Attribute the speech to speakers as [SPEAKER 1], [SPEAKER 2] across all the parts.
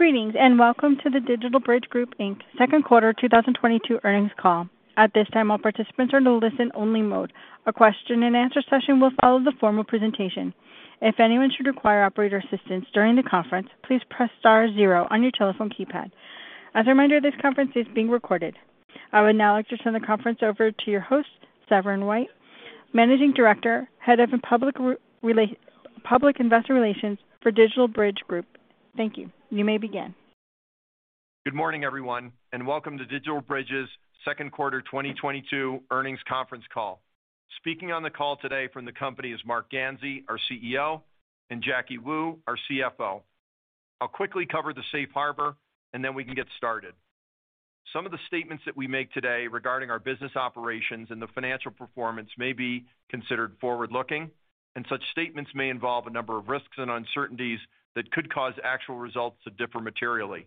[SPEAKER 1] Greetings, welcome to the DigitalBridge Group, Inc. second quarter 2022 earnings call. At this time, all participants are in listen only mode. A question and answer session will follow the formal presentation. If anyone should require operator assistance during the conference, please press star zero on your telephone keypad. As a reminder, this conference is being recorded. I would now like to turn the conference over to your host, Severin White, Managing Director, Head of Public Investor Relations for DigitalBridge Group. Thank you. You may begin.
[SPEAKER 2] Good morning, everyone, and welcome to DigitalBridge's second quarter 2022 earnings conference call. Speaking on the call today from the company is Marc Ganzi, our CEO, and Jacky Wu, our CFO. I'll quickly cover the safe harbour, and then we can get started. Some of the statements that we make today regarding our business operations and the financial performance may be considered forward-looking, and such statements may involve a number of risks and uncertainties that could cause actual results to differ materially.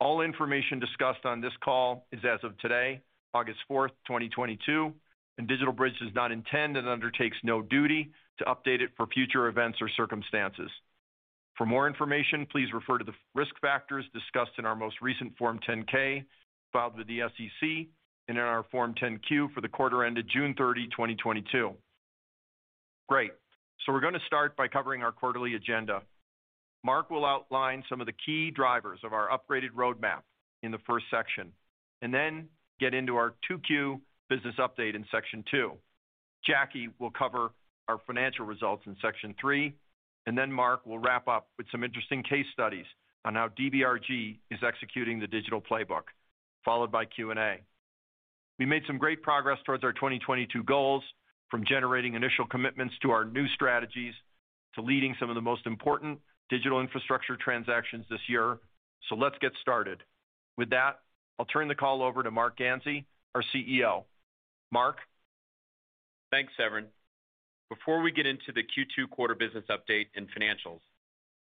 [SPEAKER 2] All information discussed on this call is as of today, August 4, 2022, and DigitalBridge does not intend and undertakes no duty to update it for future events or circumstances. For more information, please refer to the risk factors discussed in our most recent Form 10-K filed with the SEC and in our Form 10-Q for the quarter ended June 30, 2022. Great. We're gonna start by covering our quarterly agenda. Marc will outline some of the key drivers of our upgraded roadmap in the first section, and then get into our 2Q business update in section two. Jacky will cover our financial results in section three, and then Marc will wrap up with some interesting case studies on how DBRG is executing the Digital Playbook, followed by Q&A. We made some great progress towards our 2022 goals, from generating initial commitments to our new strategies to leading some of the most important digital infrastructure transactions this year. Let's get started. With that, I'll turn the call over to Marc Ganzi, our CEO. Marc?
[SPEAKER 3] Thanks, Severin. Before we get into the Q2 quarter business update and financials,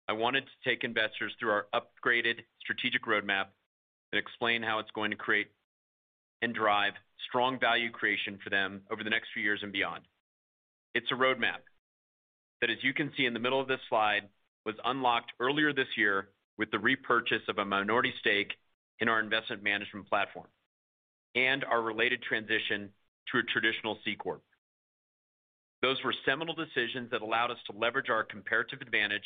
[SPEAKER 3] I wanted to take investors through our upgraded strategic roadmap and explain how it's going to create and drive strong value creation for them over the next few years and beyond. It's a roadmap that, as you can see in the middle of this slide, was unlocked earlier this year with the repurchase of a minority stake in our investment management platform and our related transition to a traditional C corp. Those were seminal decisions that allowed us to leverage our comparative advantage,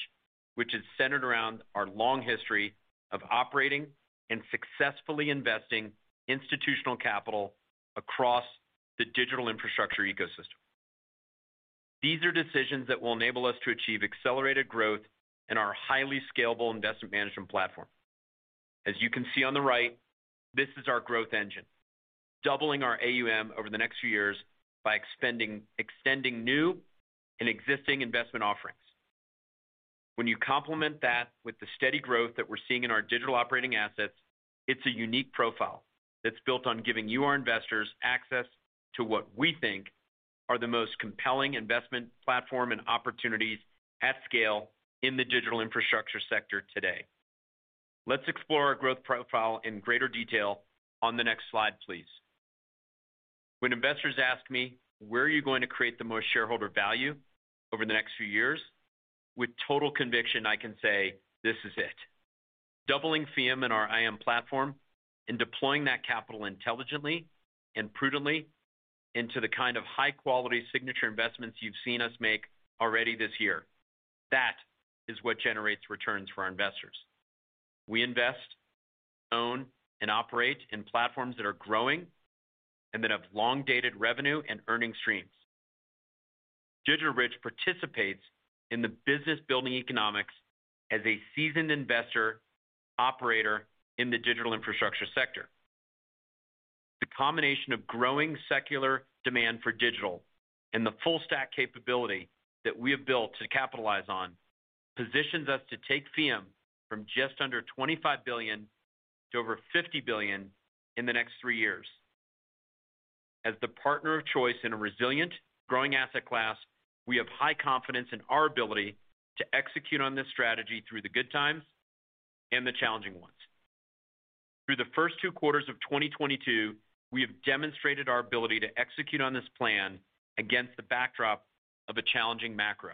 [SPEAKER 3] which is centered around our long history of operating and successfully investing institutional capital across the digital infrastructure ecosystem. These are decisions that will enable us to achieve accelerated growth in our highly scalable investment management platform. As you can see on the right, this is our growth engine, doubling our AUM over the next few years by extending new and existing investment offerings. When you complement that with the steady growth that we're seeing in our digital operating assets, it's a unique profile that's built on giving you our investors access to what we think are the most compelling investment platform and opportunities at scale in the digital infrastructure sector today. Let's explore our growth profile in greater detail on the next slide, please. When investors ask me, "Where are you going to create the most shareholder value over the next few years?" with total conviction, I can say, this is it. Doubling FEEUM in our IM platform and deploying that capital intelligently and prudently into the kind of high-quality signature investments you've seen us make already this year, that is what generates returns for our investors. We invest, own, and operate in platforms that are growing and that have long-dated revenue and earning streams. DigitalBridge participates in the business-building economics as a seasoned investor operator in the digital infrastructure sector. The combination of growing secular demand for digital and the full stack capability that we have built to capitalize on positions us to take FEEUM from just under $25 billion to over $50 billion in the next three years. As the partner of choice in a resilient, growing asset class, we have high confidence in our ability to execute on this strategy through the good times and the challenging ones. Through the first two quarters of 2022, we have demonstrated our ability to execute on this plan against the backdrop of a challenging macro.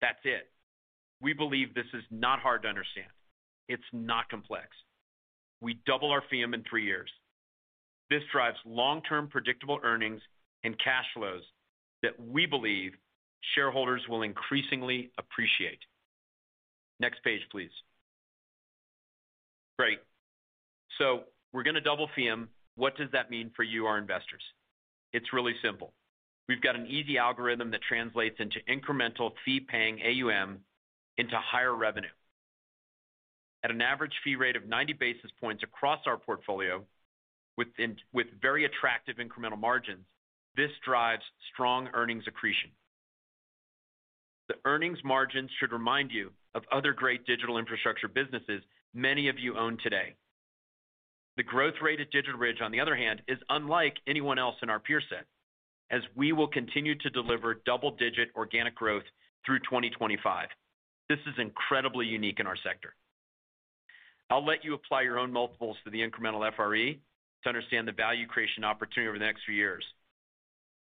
[SPEAKER 3] That's it. We believe this is not hard to understand. It's not complex. We double our FEEUM in three years. This drives long-term predictable earnings and cash flows that we believe shareholders will increasingly appreciate. Next page, please. Great. We're gonna double FEEUM. What does that mean for you, our investors? It's really simple. We've got an easy algorithm that translates into incremental fee-paying AUM into higher revenue. At an average fee rate of 90 basis points across our portfolio with very attractive incremental margins, this drives strong earnings accretion. The earnings margins should remind you of other great digital infrastructure businesses many of you own today. The growth rate at DigitalBridge, on the other hand, is unlike anyone else in our peer set, as we will continue to deliver double-digit organic growth through 2025. This is incredibly unique in our sector. I'll let you apply your own multiples to the incremental FRE to understand the value creation opportunity over the next few years.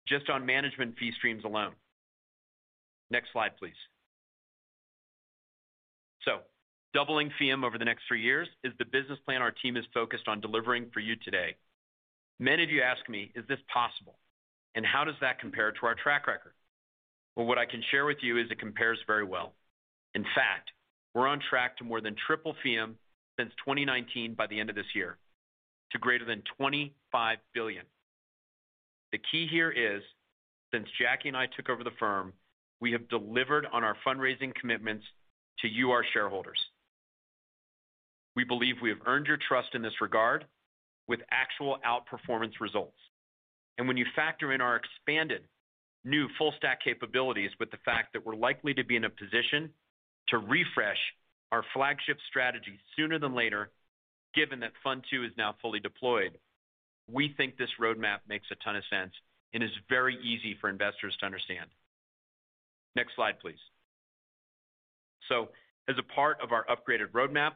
[SPEAKER 3] Just on management fee streams alone. Next slide, please. Doubling FEEUM over the next three years is the business plan our team is focused on delivering for you today. Many of you ask me, is this possible? How does that compare to our track record? Well, what I can share with you is it compares very well. In fact, we're on track to more than triple FEEUM since 2019 by the end of this year to greater than $25 billion. The key here is, since Jacky and I took over the firm, we have delivered on our fundraising commitments to you, our shareholders. We believe we have earned your trust in this regard with actual outperformance results. When you factor in our expanded new full stack capabilities with the fact that we're likely to be in a position to refresh our flagship strategy sooner than later, given that Fund two is now fully deployed, we think this roadmap makes a ton of sense and is very easy for investors to understand. Next slide, please. As a part of our upgraded roadmap,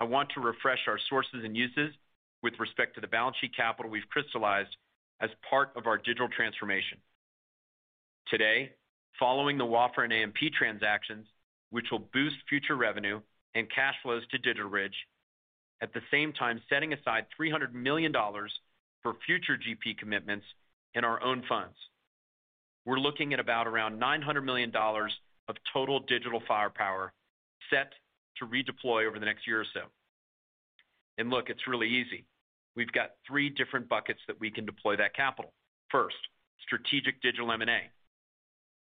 [SPEAKER 3] I want to refresh our sources and uses with respect to the balance sheet capital we've crystallized as part of our digital transformation. Today, following the Wafra and AMP transactions, which will boost future revenue and cash flows to DigitalBridge, at the same time, setting aside $300 million for future GP commitments in our own funds. We're looking at about around $900 million of total digital firepower set to redeploy over the next year or so. Look, it's really easy. We've got three different buckets that we can deploy that capital. First, strategic digital M&A.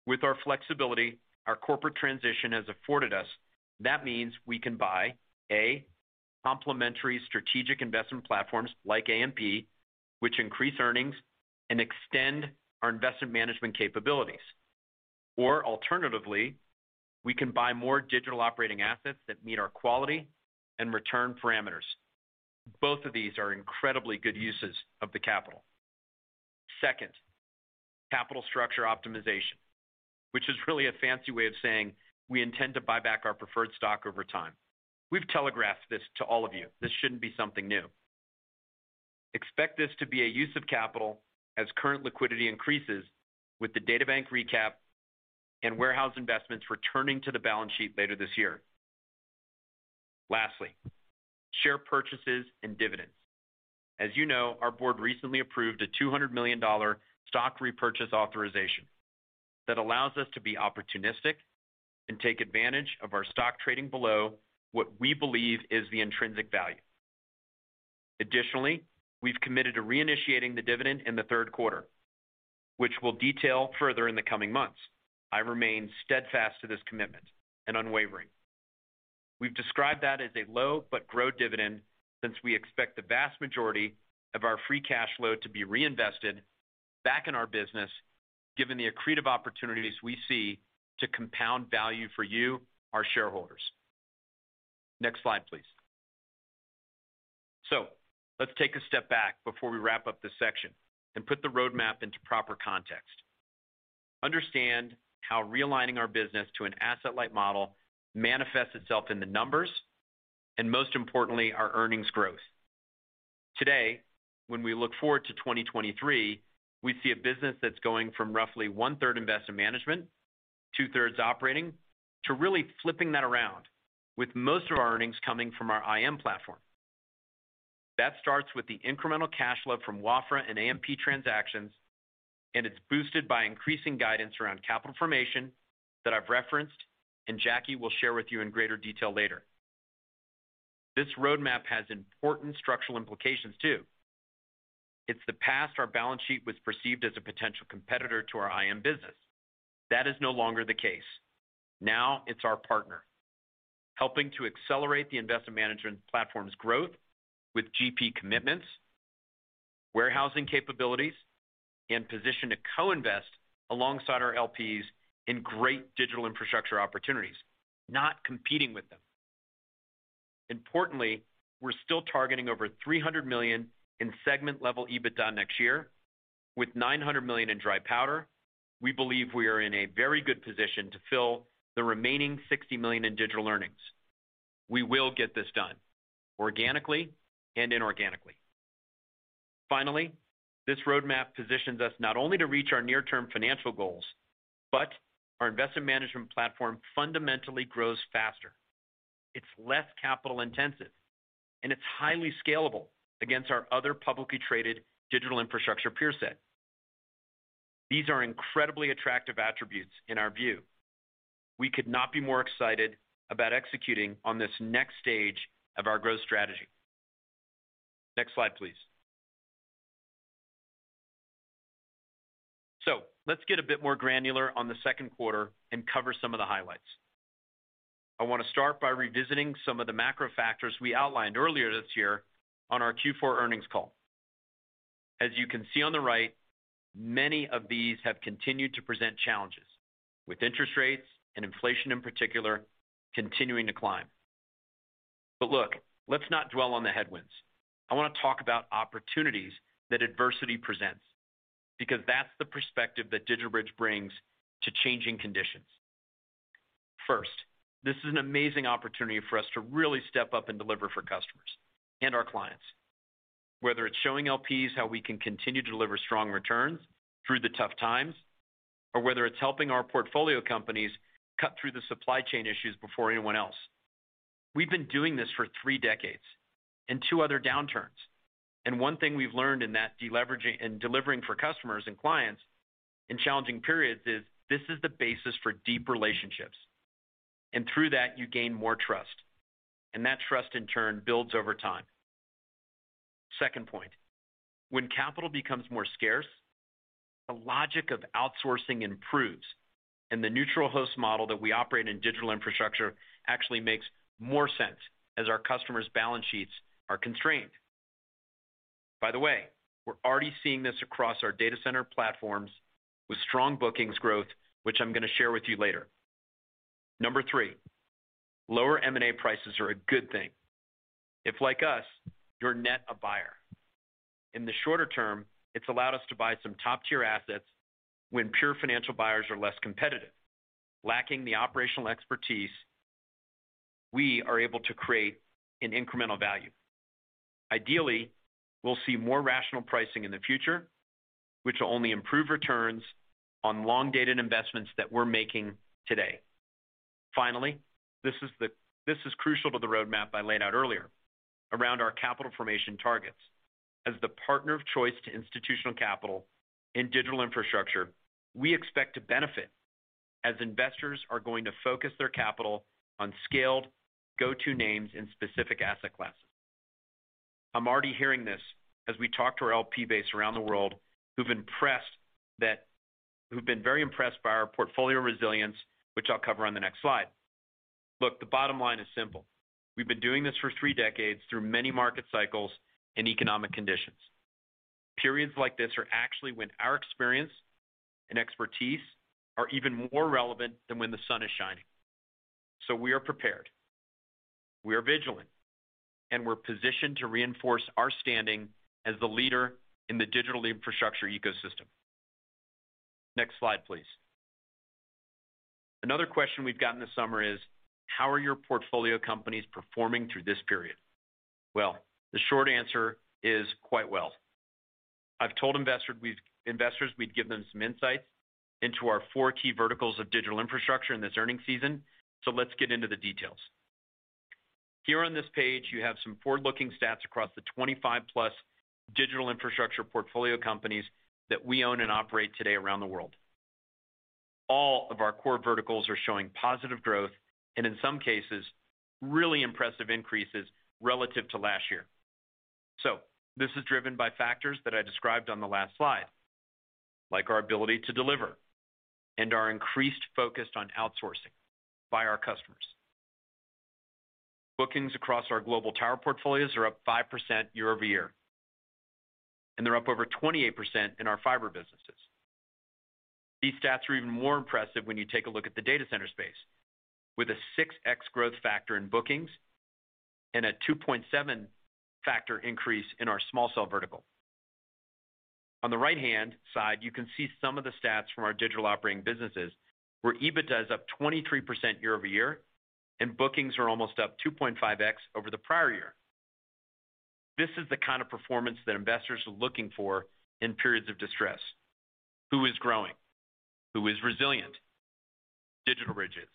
[SPEAKER 3] With our flexibility, our corporate transition has afforded us, that means we can buy, A, complementary strategic investment platforms like AMP, which increase earnings and extend our investment management capabilities. Or alternatively, we can buy more digital operating assets that meet our quality and return parameters. Both of these are incredibly good uses of the capital. Second, capital structure optimization, which is really a fancy way of saying we intend to buy back our preferred stock over time. We've telegraphed this to all of you. This shouldn't be something new. Expect this to be a use of capital as current liquidity increases with the DataBank recap and warehouse investments returning to the balance sheet later this year. Lastly, share purchases and dividends. As you know, our board recently approved a $200 million stock repurchase authorization that allows us to be opportunistic and take advantage of our stock trading below what we believe is the intrinsic value. Additionally, we've committed to reinitiating the dividend in the third quarter, which we'll detail further in the coming months. I remain steadfast to this commitment and unwavering. We've described that as a low but grow dividend since we expect the vast majority of our free cash flow to be reinvested back in our business given the accretive opportunities we see to compound value for you, our shareholders. Next slide, please. Let's take a step back before we wrap up this section and put the roadmap into proper context. Understand how realigning our business to an asset-light model manifests itself in the numbers, and most importantly, our earnings growth. Today, when we look forward to 2023, we see a business that's going from roughly one-third investment management, two-thirds operating, to really flipping that around with most of our earnings coming from our IM platform. That starts with the incremental cash flow from Wafra and AMP transactions, and it's boosted by increasing guidance around capital formation that I've referenced and Jackie will share with you in greater detail later. This roadmap has important structural implications too. In the past our balance sheet was perceived as a potential competitor to our IM business. That is no longer the case. Now it's our partner, helping to accelerate the investment management platform's growth with GP commitments, warehousing capabilities, and position to co-invest alongside our LPs in great digital infrastructure opportunities, not competing with them. Importantly, we're still targeting over $300 million in segment-level EBITDA next year. With $900 million in dry powder, we believe we are in a very good position to fill the remaining` $60 million in digital earnings. We will get this done organically and inorganically. Finally, this roadmap positions us not only to reach our near-term financial goals, but our investment management platform fundamentally grows faster. It's less capital intensive, and it's highly scalable against our other publicly traded digital infrastructure peer set. These are incredibly attractive attributes in our view. We could not be more excited about executing on this next stage of our growth strategy. Next slide, please. Let's get a bit more granular on the second quarter and cover some of the highlights. I want to start by revisiting some of the macro factors we outlined earlier this year on our Q4 earnings call. As you can see on the right, many of these have continued to present challenges, with interest rates and inflation in particular continuing to climb. Look, let's not dwell on the headwinds. I want to talk about opportunities that adversity presents because that's the perspective that DigitalBridge brings to changing conditions. First, this is an amazing opportunity for us to really step up and deliver for customers and our clients. Whether it's showing LPs how we can continue to deliver strong returns through the tough times, or whether it's helping our portfolio companies cut through the supply chain issues before anyone else. We've been doing this for three decades and two other downturns. One thing we've learned in delivering for customers and clients in challenging periods is this is the basis for deep relationships, and through that you gain more trust, and that trust in turn builds over time. Second point, when capital becomes more scarce, the logic of outsourcing improves and the neutral host model that we operate in digital infrastructure actually makes more sense as our customers' balance sheets are constrained. By the way, we're already seeing this across our data center platforms with strong bookings growth, which I'm gonna share with you later. Number three, lower M&A prices are a good thing. If, like us, you're net a buyer. In the shorter term, it's allowed us to buy some top-tier assets when pure financial buyers are less competitive. Lacking the operational expertise, we are able to create an incremental value. Ideally, we'll see more rational pricing in the future, which will only improve returns on long-dated investments that we're making today. Finally, this is crucial to the roadmap I laid out earlier around our capital formation targets. As the partner of choice to institutional capital in digital infrastructure, we expect to benefit as investors are going to focus their capital on scaled, go-to names in specific asset classes. I'm already hearing this as we talk to our LP base around the world who've been very impressed by our portfolio resilience, which I'll cover on the next slide. Look, the bottom line is simple. We've been doing this for three decades through many market cycles and economic conditions. Periods like this are actually when our experience and expertise are even more relevant than when the sun is shining. We are prepared, we are vigilant, and we're positioned to reinforce our standing as the leader in the digital infrastructure ecosystem. Next slide, please. Another question we've got in the summer is, "How are your portfolio companies performing through this period?" Well, the short answer is quite well. I've told investors we'd give them some insights into our four key verticals of digital infrastructure in this earnings season, so let's get into the details. Here on this page, you have some forward-looking stats across the 25+ digital infrastructure portfolio companies that we own and operate today around the world. All of our core verticals are showing positive growth and in some cases, really impressive increases relative to last year. This is driven by factors that I described on the last slide, like our ability to deliver and our increased focus on outsourcing by our customers. Bookings across our global tower portfolios are up 5% year-over-year, and they're up over 28% in our fiber businesses. These stats are even more impressive when you take a look at the data center space with a 6x growth factor in bookings and a 2.7 factor increase in our small cell vertical. On the right-hand side, you can see some of the stats from our digital operating businesses, where EBITDA is up 23% year-over-year, and bookings are almost up 2.5x over the prior year. This is the kind of performance that investors are looking for in periods of distress. Who is growing? Who is resilient? DigitalBridge is.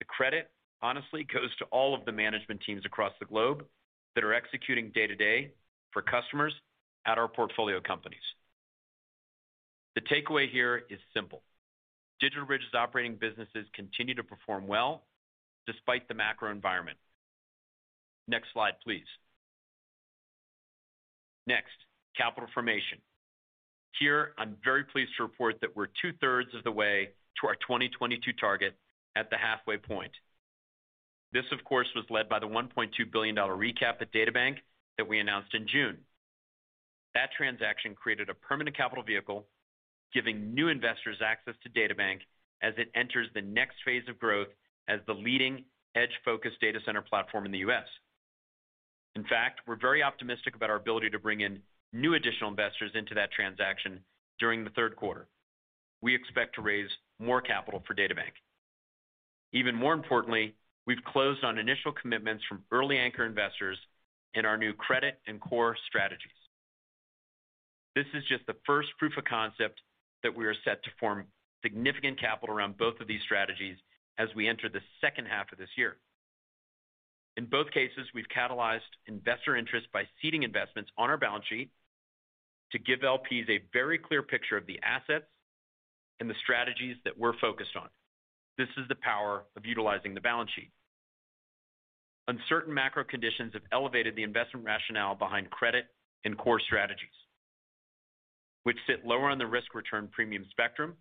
[SPEAKER 3] The credit, honestly, goes to all of the management teams across the globe that are executing day to day for customers at our portfolio companies. The takeaway here is simple. DigitalBridge's operating businesses continue to perform well despite the macro environment. Next slide, please. Next, capital formation. Here, I'm very pleased to report that we're two-thirds of the way to our 2022 target at the halfway point. This, of course, was led by the $1.2 billion recap at DataBank that we announced in June. That transaction created a permanent capital vehicle, giving new investors access to DataBank as it enters the next phase of growth as the leading edge-focused data center platform in the U.S. In fact, we're very optimistic about our ability to bring in new additional investors into that transaction during the third quarter. We expect to raise more capital for DataBank. Even more importantly, we've closed on initial commitments from early anchor investors in our new credit and core strategies. This is just the first proof of concept that we are set to form significant capital around both of these strategies as we enter the second half of this year. In both cases, we've catalyzed investor interest by seeding investments on our balance sheet to give LPs a very clear picture of the assets and the strategies that we're focused on. This is the power of utilizing the balance sheet. Uncertain macro conditions have elevated the investment rationale behind credit and core strategies, which sit lower on the risk-return premium spectrum.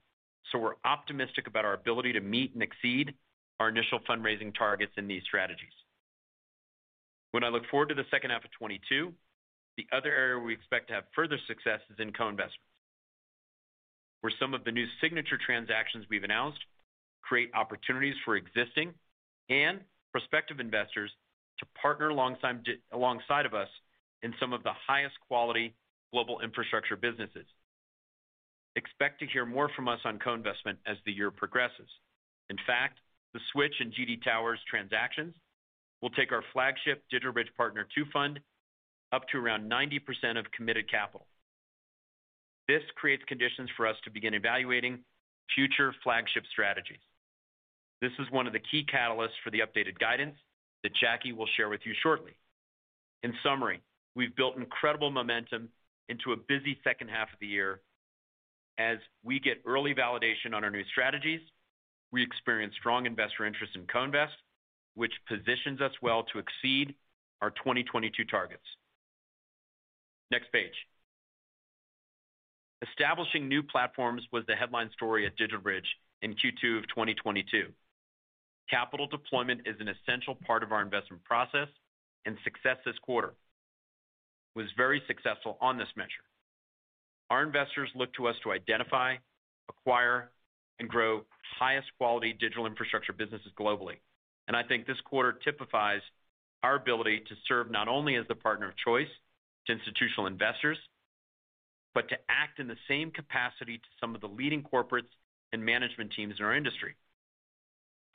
[SPEAKER 3] We're optimistic about our ability to meet and exceed our initial fundraising targets in these strategies. When I look forward to the second half of 2022, the other area we expect to have further success is in co-investments, where some of the new signature transactions we've announced create opportunities for existing and prospective investors to partner alongside of us in some of the highest quality global infrastructure businesses. Expect to hear more from us on co-investment as the year progresses. In fact, the Switch and GD Towers transactions will take our flagship DigitalBridge Partners II fund up to around 90% of committed capital. This creates conditions for us to begin evaluating future flagship strategies. This is one of the key catalysts for the updated guidance that Jacky will share with you shortly. In summary, we've built incredible momentum into a busy second half of the year. As we get early validation on our new strategies, we experience strong investor interest in co-invest, which positions us well to exceed our 2022 targets. Next page. Establishing new platforms was the headline story at DigitalBridge in Q2 of 2022. Capital deployment is an essential part of our investment process, and success this quarter was very successful on this measure. Our investors look to us to identify, acquire, and grow highest quality digital infrastructure businesses globally, and I think this quarter typifies our ability to serve not only as the partner of choice to institutional investors, but to act in the same capacity to some of the leading corporates and management teams in our industry.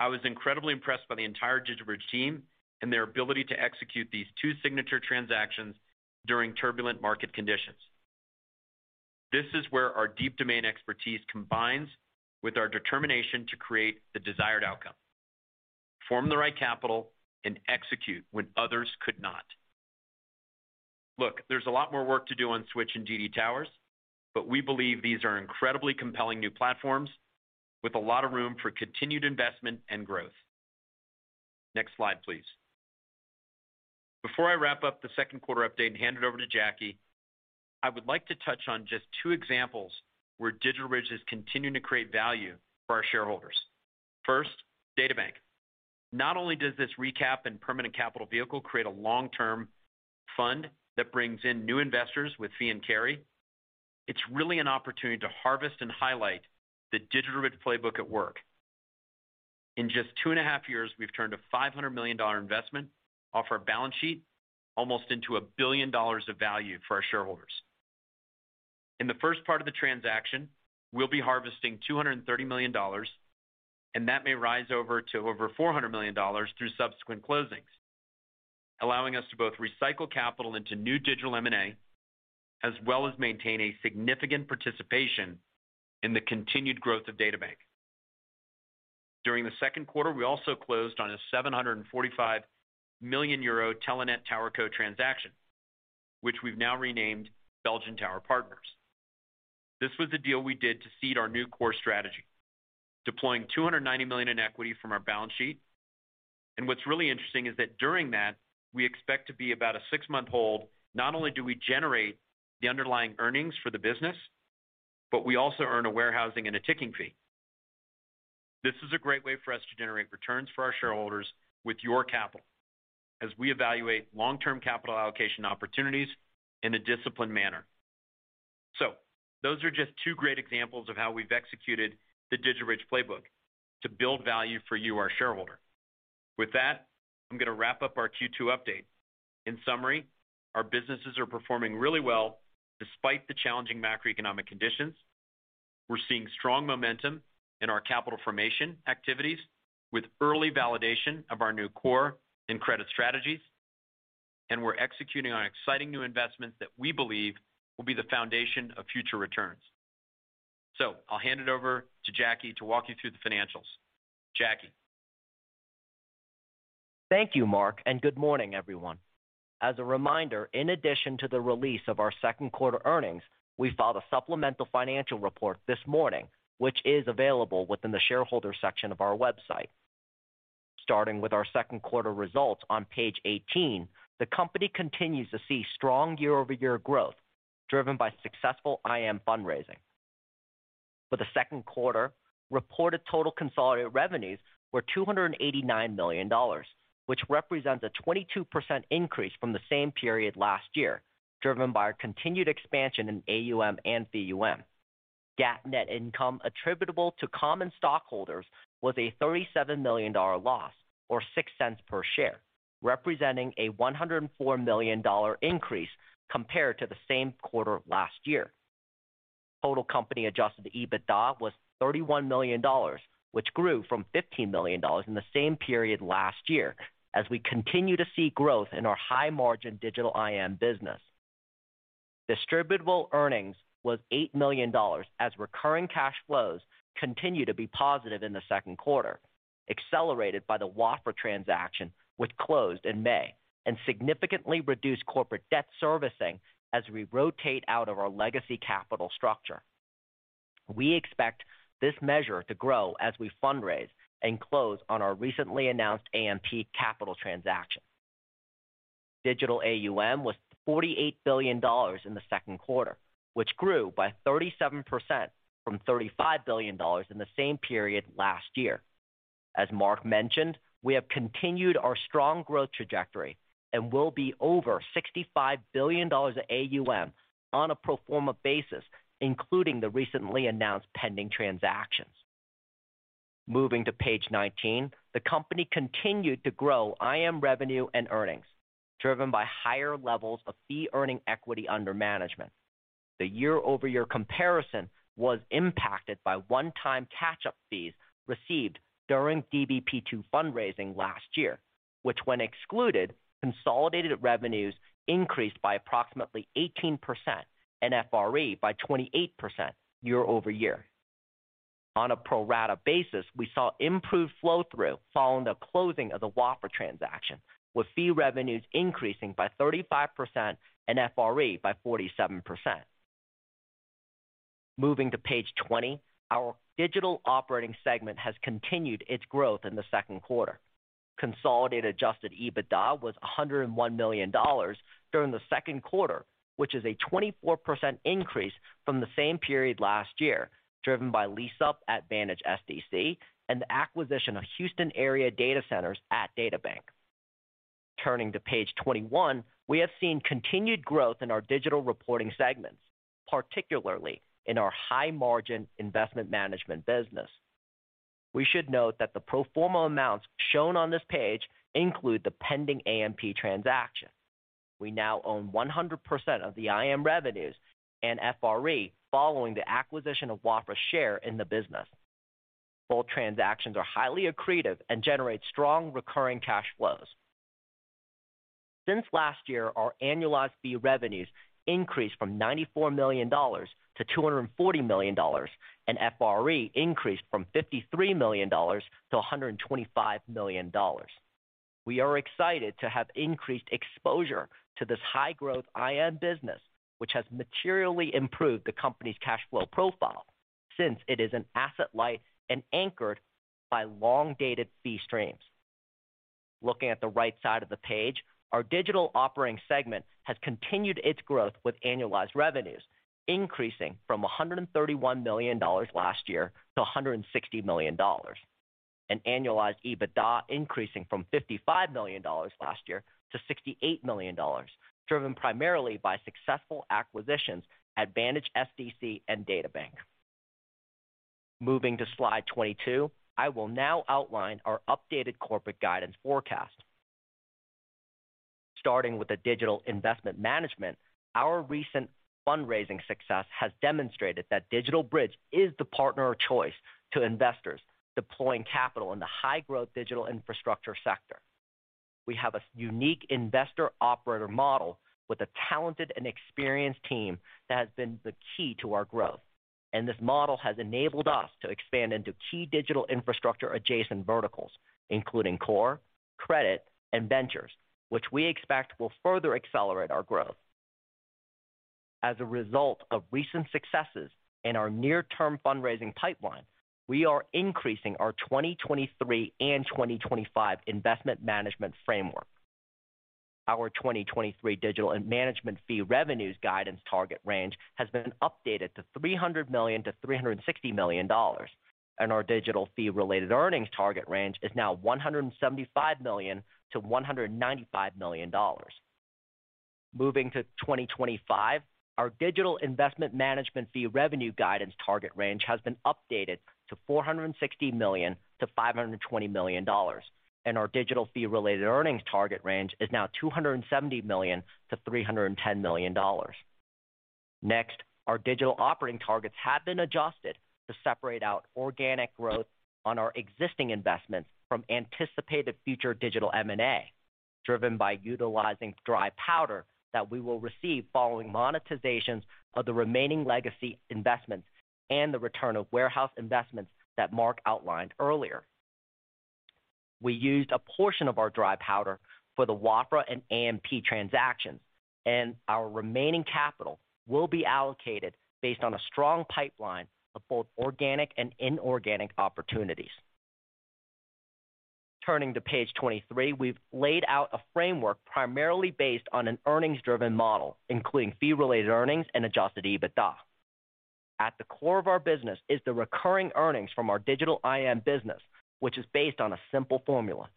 [SPEAKER 3] I was incredibly impressed by the entire DigitalBridge team and their ability to execute these two signature transactions during turbulent market conditions. This is where our deep domain expertise combines with our determination to create the desired outcome. Form the right capital and execute when others could not. Look, there's a lot more work to do on Switch and GD Towers, but we believe these are incredibly compelling new platforms with a lot of room for continued investment and growth. Next slide, please. Before I wrap up the second quarter update and hand it over to Jacky, I would like to touch on just two examples where DigitalBridge is continuing to create value for our shareholders. First, DataBank. Not only does this recap and permanent capital vehicle create a long-term fund that brings in new investors with fee and carry, it's really an opportunity to harvest and highlight the DigitalBridge playbook at work. In just two and a half years, we've turned a $500 million investment off our balance sheet almost into a $1 billion of value for our shareholders. In the first part of the transaction, we'll be harvesting $230 million, and that may rise to over $400 million through subsequent closings, allowing us to both recycle capital into new digital M&A, as well as maintain a significant participation in the continued growth of DataBank. During the second quarter, we also closed on a 745 million euro Telenet TowerCo transaction, which we've now renamed Belgium Tower Partners. This was the deal we did to seed our new core strategy, deploying $290 million in equity from our balance sheet. What's really interesting is that during that, we expect to be about a six-month hold. Not only do we generate the underlying earnings for the business, but we also earn a warehousing and a ticking fee. This is a great way for us to generate returns for our shareholders with your capital as we evaluate long-term capital allocation opportunities in a disciplined manner. Those are just two great examples of how we've executed the DigitalBridge playbook to build value for you, our shareholder. With that, I'm going to wrap up our Q2 update. In summary, our businesses are performing really well despite the challenging macroeconomic conditions. We're seeing strong momentum in our capital formation activities with early validation of our new core and credit strategies. We're executing on exciting new investments that we believe will be the foundation of future returns. I'll hand it over to Jackie to walk you through the financials. Jackie.
[SPEAKER 4] Thank you, Marc, and good morning, everyone. As a reminder, in addition to the release of our second quarter earnings, we filed a supplemental financial report this morning, which is available within the shareholder section of our website. Starting with our second quarter results on page 18, the company continues to see strong year-over-year growth driven by successful IM fundraising. For the second quarter, reported total consolidated revenues were $289 million, which represents a 22% increase from the same period last year, driven by our continued expansion in AUM and VUM. GAAP net income attributable to common stockholders was a $37 million loss or $0.06 per share, representing a $104 million increase compared to the same quarter last year. Total company adjusted EBITDA was $31 million, which grew from $15 million in the same period last year as we continue to see growth in our high-margin digital IM business. Distributable earnings was $8 million as recurring cash flows continue to be positive in the second quarter, accelerated by the Wafra transaction, which closed in May and significantly reduced corporate debt servicing as we rotate out of our legacy capital structure. We expect this measure to grow as we fundraise and close on our recently announced AMP Capital transaction. Digital AUM was $48 billion in the second quarter, which grew by 37% from $35 billion in the same period last year. As Marc mentioned, we have continued our strong growth trajectory and will be over $65 billion of AUM on a pro forma basis, including the recently announced pending transactions. Moving to page 19. The company continued to grow IM revenue and earnings, driven by higher levels of fee earning equity under management. The year-over-year comparison was impacted by one-time catch-up fees received during DBP II fundraising last year, which when excluded, consolidated revenues increased by approximately 18% and FRE by 28% year over year. On a pro rata basis, we saw improved flow through following the closing of the Wafra transaction, with fee revenues increasing by 35% and FRE by 47%. Moving to page 20. Our digital operating segment has continued its growth in the second quarter. Consolidated adjusted EBITDA was $101 million during the second quarter, which is a 24% increase from the same period last year, driven by lease up at Vantage SDC and the acquisition of Houston area data centers at DataBank. Turning to page 21. We have seen continued growth in our digital reporting segments, particularly in our high margin investment management business. We should note that the pro forma amounts shown on this page include the pending AMP transaction. We now own 100% of the IM revenues and FRE following the acquisition of Wafra's share in the business. Both transactions are highly accretive and generate strong recurring cash flows. Since last year, our annualized fee revenues increased from $94 million to $240 million, and FRE increased from $53 million to $125 million. We are excited to have increased exposure to this high growth IM business, which has materially improved the company's cash flow profile since it is an asset light and anchored by long-dated fee streams. Looking at the right side of the page, our digital operating segment has continued its growth, with annualized revenues increasing from $131 million last year to $160 million. An annualized EBITDA increasing from $55 million last year to $68 million, driven primarily by successful acquisitions at Vantage SDC and DataBank. Moving to slide 22. I will now outline our updated corporate guidance forecast. Starting with the digital investment management. Our recent fundraising success has demonstrated that DigitalBridge is the partner of choice to investors deploying capital in the high-growth digital infrastructure sector. We have a unique investor operator model with a talented and experienced team that has been the key to our growth. This model has enabled us to expand into key digital infrastructure adjacent verticals, including core, credit, and ventures, which we expect will further accelerate our growth. As a result of recent successes in our near term fundraising pipeline, we are increasing our 2023 and 2025 investment management framework. Our 2023 digital and management fee revenues guidance target range has been updated to $300 million-$360 million, and our digital fee related earnings target range is now $175 million-$195 million. Moving to 2025. Our digital investment management fee revenue guidance target range has been updated to $460 million-$520 million, and our digital fee related earnings target range is now $270 million-$310 million. Next, our digital operating targets have been adjusted to separate out organic growth on our existing investments from anticipated future digital M&A, driven by utilizing dry powder that we will receive following monetizations of the remaining legacy investments and the return of warehouse investments that Marc outlined earlier. We used a portion of our dry powder for the Wafra and AMP transactions, and our remaining capital will be allocated based on a strong pipeline of both organic and inorganic opportunities. Turning to page 23. We've laid out a framework primarily based on an earnings driven model, including fee related earnings and adjusted EBITDA. At the core of our business is the recurring earnings from our digital IM business, which is based on a simple formula.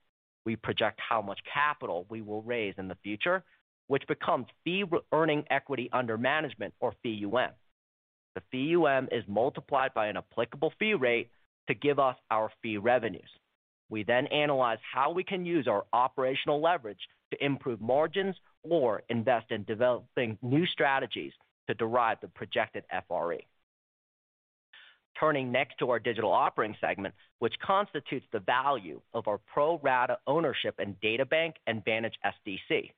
[SPEAKER 4] We project how much capital we will raise in the future, which becomes fee earning equity under management or FEEUM. The FEUM is multiplied by an applicable fee rate to give us our fee revenues. We then analyze how we can use our operational leverage to improve margins or invest in developing new strategies to derive the projected FRE. Turning next to our digital operating segment, which constitutes the value of our pro rata ownership in DataBank and Vantage SDC.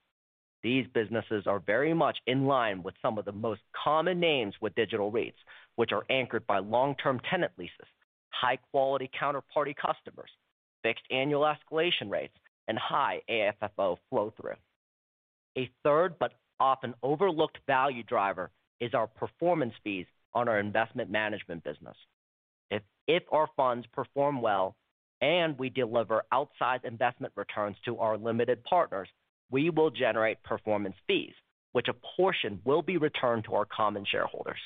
[SPEAKER 4] These businesses are very much in line with some of the most common names with digital REITs, which are anchored by long-term tenant leases, high quality counterparty customers, fixed annual escalation rates, and high AFFO flow through. A third but often overlooked value driver is our performance fees on our investment management business. If our funds perform well and we deliver outsized investment returns to our limited partners, we will generate performance fees, which a portion will be returned to our common shareholders.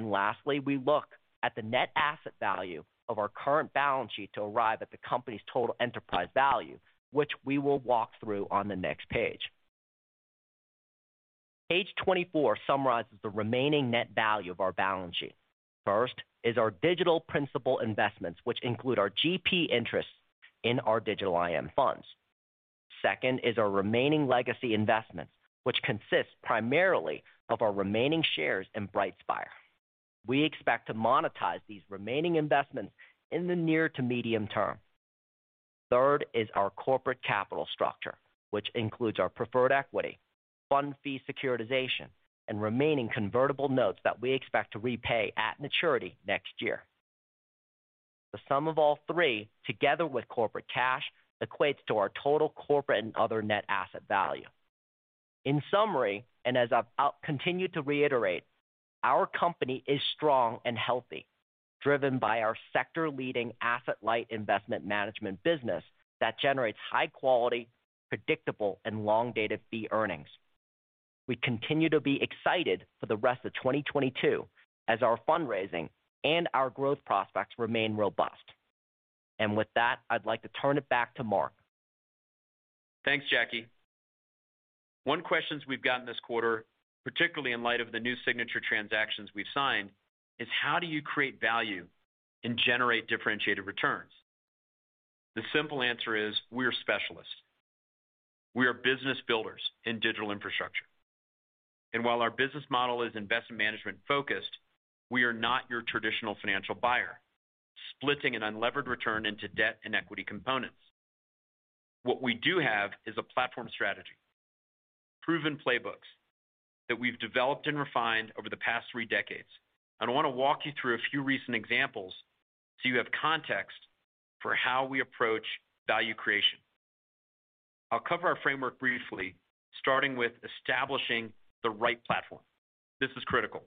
[SPEAKER 4] Lastly, we look at the net asset value of our current balance sheet to arrive at the company's total enterprise value, which we will walk through on the next page. Page 24 summarizes the remaining net value of our balance sheet. First is our digital principal investments, which include our GP interests in our digital IM funds. Second is our remaining legacy investments, which consists primarily of our remaining shares in BrightSpire. We expect to monetize these remaining investments in the near to medium term. Third is our corporate capital structure, which includes our preferred equity, fund fee securitization, and remaining convertible notes that we expect to repay at maturity next year. The sum of all three, together with corporate cash, equates to our total corporate and other net asset value. In summary, as I'll continue to reiterate, our company is strong and healthy, driven by our sector leading asset-light investment management business that generates high quality, predictable and long dated fee earnings. We continue to be excited for the rest of 2022 as our fundraising and our growth prospects remain robust. With that, I'd like to turn it back to Marc.
[SPEAKER 3] Thanks, Jacky. One question we've gotten this quarter, particularly in light of the new signature transactions we've signed, is how do you create value and generate differentiated returns? The simple answer is we are specialists. We are business builders in digital infrastructure. While our business model is investment management focused, we are not your traditional financial buyer, splitting an unlevered return into debt and equity components. What we do have is a platform strategy. Proven playbooks that we've developed and refined over the past three decades. I want to walk you through a few recent examples so you have context for how we approach value creation. I'll cover our framework briefly, starting with establishing the right platform. This is critical.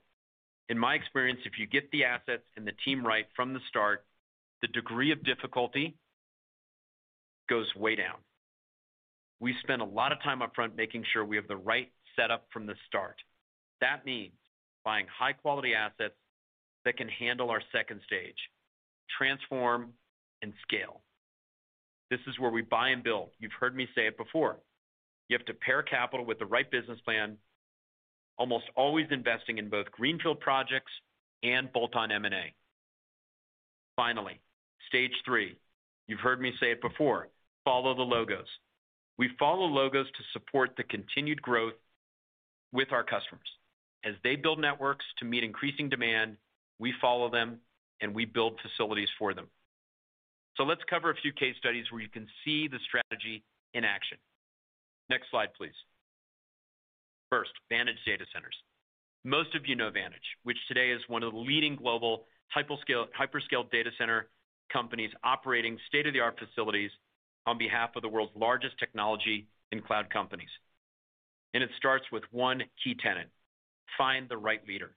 [SPEAKER 3] In my experience, if you get the assets and the team right from the start, the degree of difficulty goes way down. We spend a lot of time upfront making sure we have the right setup from the start. That means buying high quality assets that can handle our second stage, transform and scale. This is where we buy and build. You've heard me say it before. You have to pair capital with the right business plan, almost always investing in both greenfield projects and bolt-on M&A. Finally, stage three. You've heard me say it before. Follow the logos. We follow logos to support the continued growth with our customers. As they build networks to meet increasing demand, we follow them and we build facilities for them. Let's cover a few case studies where you can see the strategy in action. Next slide, please. First, Vantage Data Centers. Most of you know Vantage, which today is one of the leading global hyperscale data center companies operating state-of-the-art facilities on behalf of the world's largest technology and cloud companies. It starts with one key tenant. Find the right leader.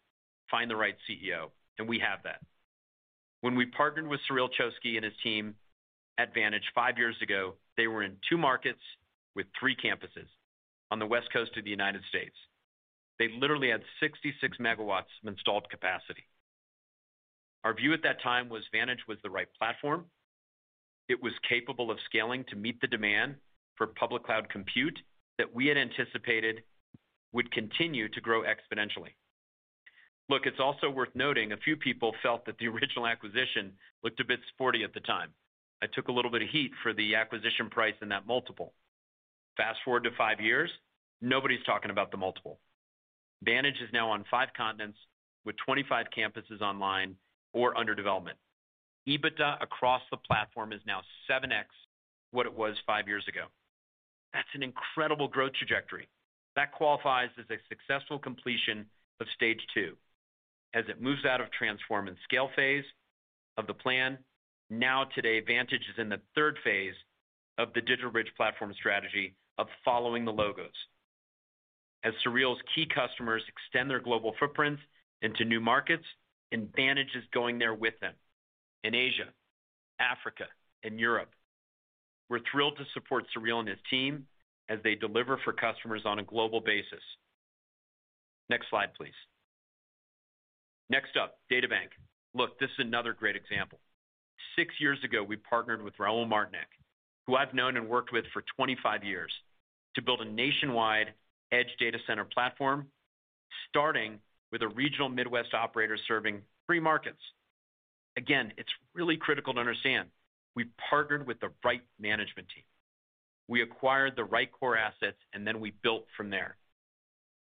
[SPEAKER 3] Find the right CEO. We have that. When we partnered with Sureel Choksi and his team at Vantage five years ago, they were in two markets with three campuses on the West Coast of the United States. They literally had 66 MW of installed capacity. Our view at that time was Vantage was the right platform. It was capable of scaling to meet the demand for public cloud compute that we had anticipated would continue to grow exponentially. Look, it's also worth noting a few people felt that the original acquisition looked a bit sporty at the time. I took a little bit of heat for the acquisition price in that multiple. Fast-forward to five years, nobody's talking about the multiple. Vantage is now on five continents with 25 campuses online or under development. EBITDA across the platform is now 7x what it was five years ago. That's an incredible growth trajectory. That qualifies as a successful completion of stage two as it moves out of transform and scale phase of the plan. Now today, Vantage is in the third phase of the DigitalBridge platform strategy of following the logos. Sureel's key customers extend their global footprints into new markets, and Vantage is going there with them in Asia, Africa, and Europe. We're thrilled to support Sureel and his team as they deliver for customers on a global basis. Next slide, please. Next up, DataBank. Look, this is another great example. Six years ago, we partnered with Raul Martynek, who I've known and worked with for 25 years, to build a nationwide edge data center platform, starting with a regional Midwest operator serving 3 markets. Again, it's really critical to understand. We partnered with the right management team. We acquired the right core assets, and then we built from there.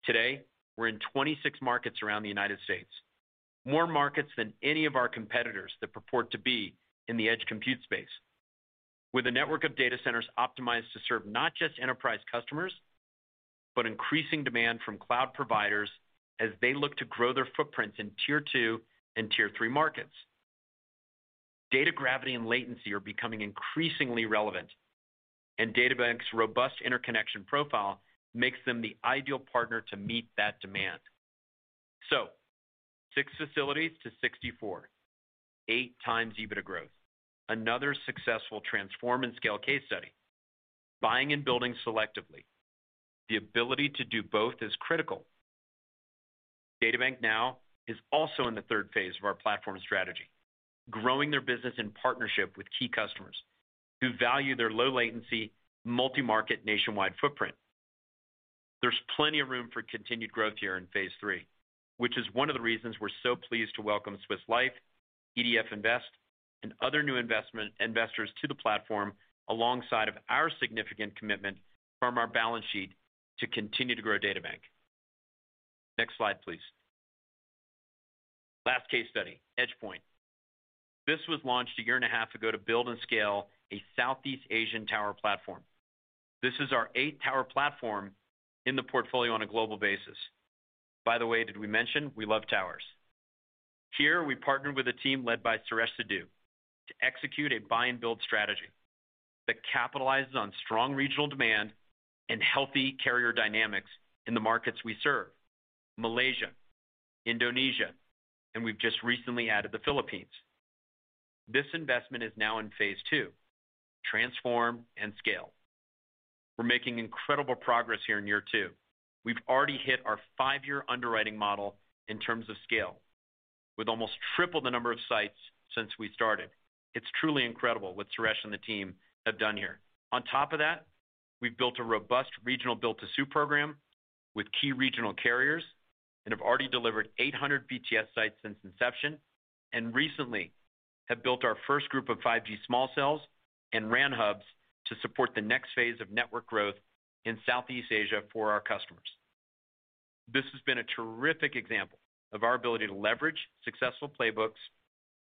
[SPEAKER 3] Today, we're in 26 markets around the United States, more markets than any of our competitors that purport to be in the edge compute space. With a network of data centers optimized to serve not just enterprise customers, but increasing demand from cloud providers as they look to grow their footprints in tier two and tier three markets. Data gravity and latency are becoming increasingly relevant, and DataBank's robust interconnection profile makes them the ideal partner to meet that demand. Six facilities to 64. 8 times EBITDA growth. Another successful transform and scale case study. Buying and building selectively. The ability to do both is critical. DataBank now is also in the third phase of our platform strategy, growing their business in partnership with key customers who value their low latency, multi-market nationwide footprint. There's plenty of room for continued growth here in phase three, which is one of the reasons we're so pleased to welcome Swiss Life, EDF Invest, and other new investors to the platform alongside of our significant commitment from our balance sheet to continue to grow DataBank. Next slide, please. Last case study, EdgePoint. This was launched a year and a half ago to build and scale a Southeast Asian tower platform. This is our eighth tower platform in the portfolio on a global basis. By the way, did we mention we love towers? Here, we partnered with a team led by Suresh Sidhu to execute a buy and build strategy that capitalizes on strong regional demand and healthy carrier dynamics in the markets we serve, Malaysia, Indonesia, and we've just recently added the Philippines. This investment is now in phase two, transform and scale. We're making incredible progress here in year two. We've already hit our five-year underwriting model in terms of scale, with almost triple the number of sites since we started. It's truly incredible what Suresh and the team have done here. On top of that, we've built a robust regional build to suit program with key regional carriers and have already delivered 800 BTS sites since inception, and recently have built our first group of 5G small cells and RAN hubs to support the next phase of network growth in Southeast Asia for our customers. This has been a terrific example of our ability to leverage successful playbooks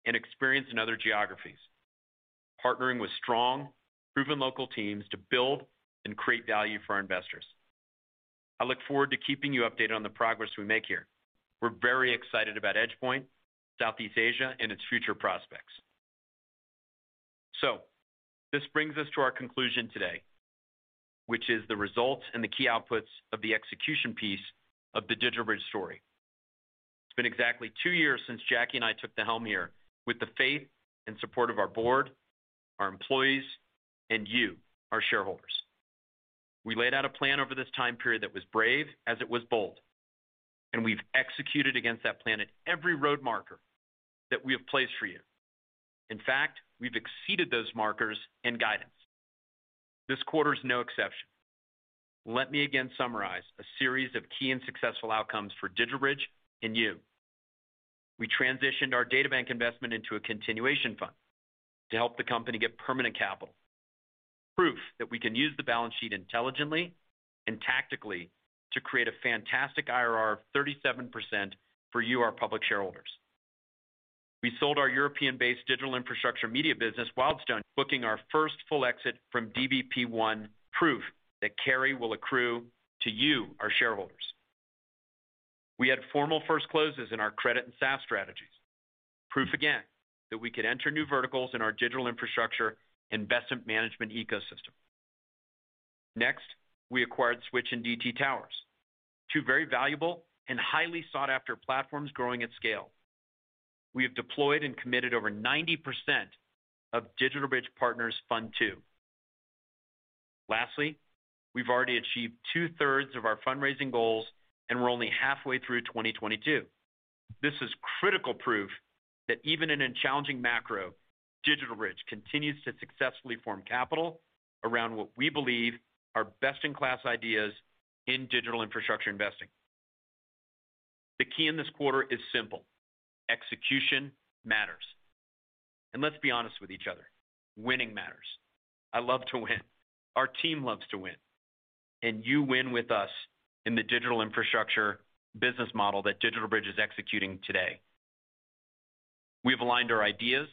[SPEAKER 3] and experience in other geographies, partnering with strong, proven local teams to build and create value for our investors. I look forward to keeping you updated on the progress we make here. We're very excited about EdgePoint, Southeast Asia, and its future prospects. This brings us to our conclusion today, which is the results and the key outputs of the execution piece of the DigitalBridge story. It's been exactly two years since Jacky and I took the helm here with the faith and support of our board, our employees, and you, our shareholders. We laid out a plan over this time period that was brave as it was bold, and we've executed against that plan at every road marker that we have placed for you. In fact, we've exceeded those markers and guidance. This quarter is no exception. Let me again summarize a series of key and successful outcomes for DigitalBridge and you. We transitioned our DataBank investment into a continuation fund to help the company get permanent capital. Proof that we can use the balance sheet intelligently and tactically to create a fantastic IRR of 37% for you, our public shareholders. We sold our European-based digital infrastructure media business, Wildstone, booking our first full exit from DBP I, proof that carry will accrue to you, our shareholders. We had formal first closes in our credit and SaaS strategies. Proof again that we could enter new verticals in our digital infrastructure investment management ecosystem. Next, we acquired Switch and GD Towers, two very valuable and highly sought-after platforms growing at scale. We have deployed and committed over 90% of DigitalBridge Partners II. Lastly, we've already achieved two-thirds of our fundraising goals, and we're only halfway through 2022. This is critical proof that even in a challenging macro, DigitalBridge continues to successfully form capital around what we believe are best-in-class ideas in digital infrastructure investing. The key in this quarter is simple. Execution matters. Let's be honest with each other, winning matters. I love to win. Our team loves to win. You win with us in the digital infrastructure business model that DigitalBridge is executing today. We've aligned our ideas,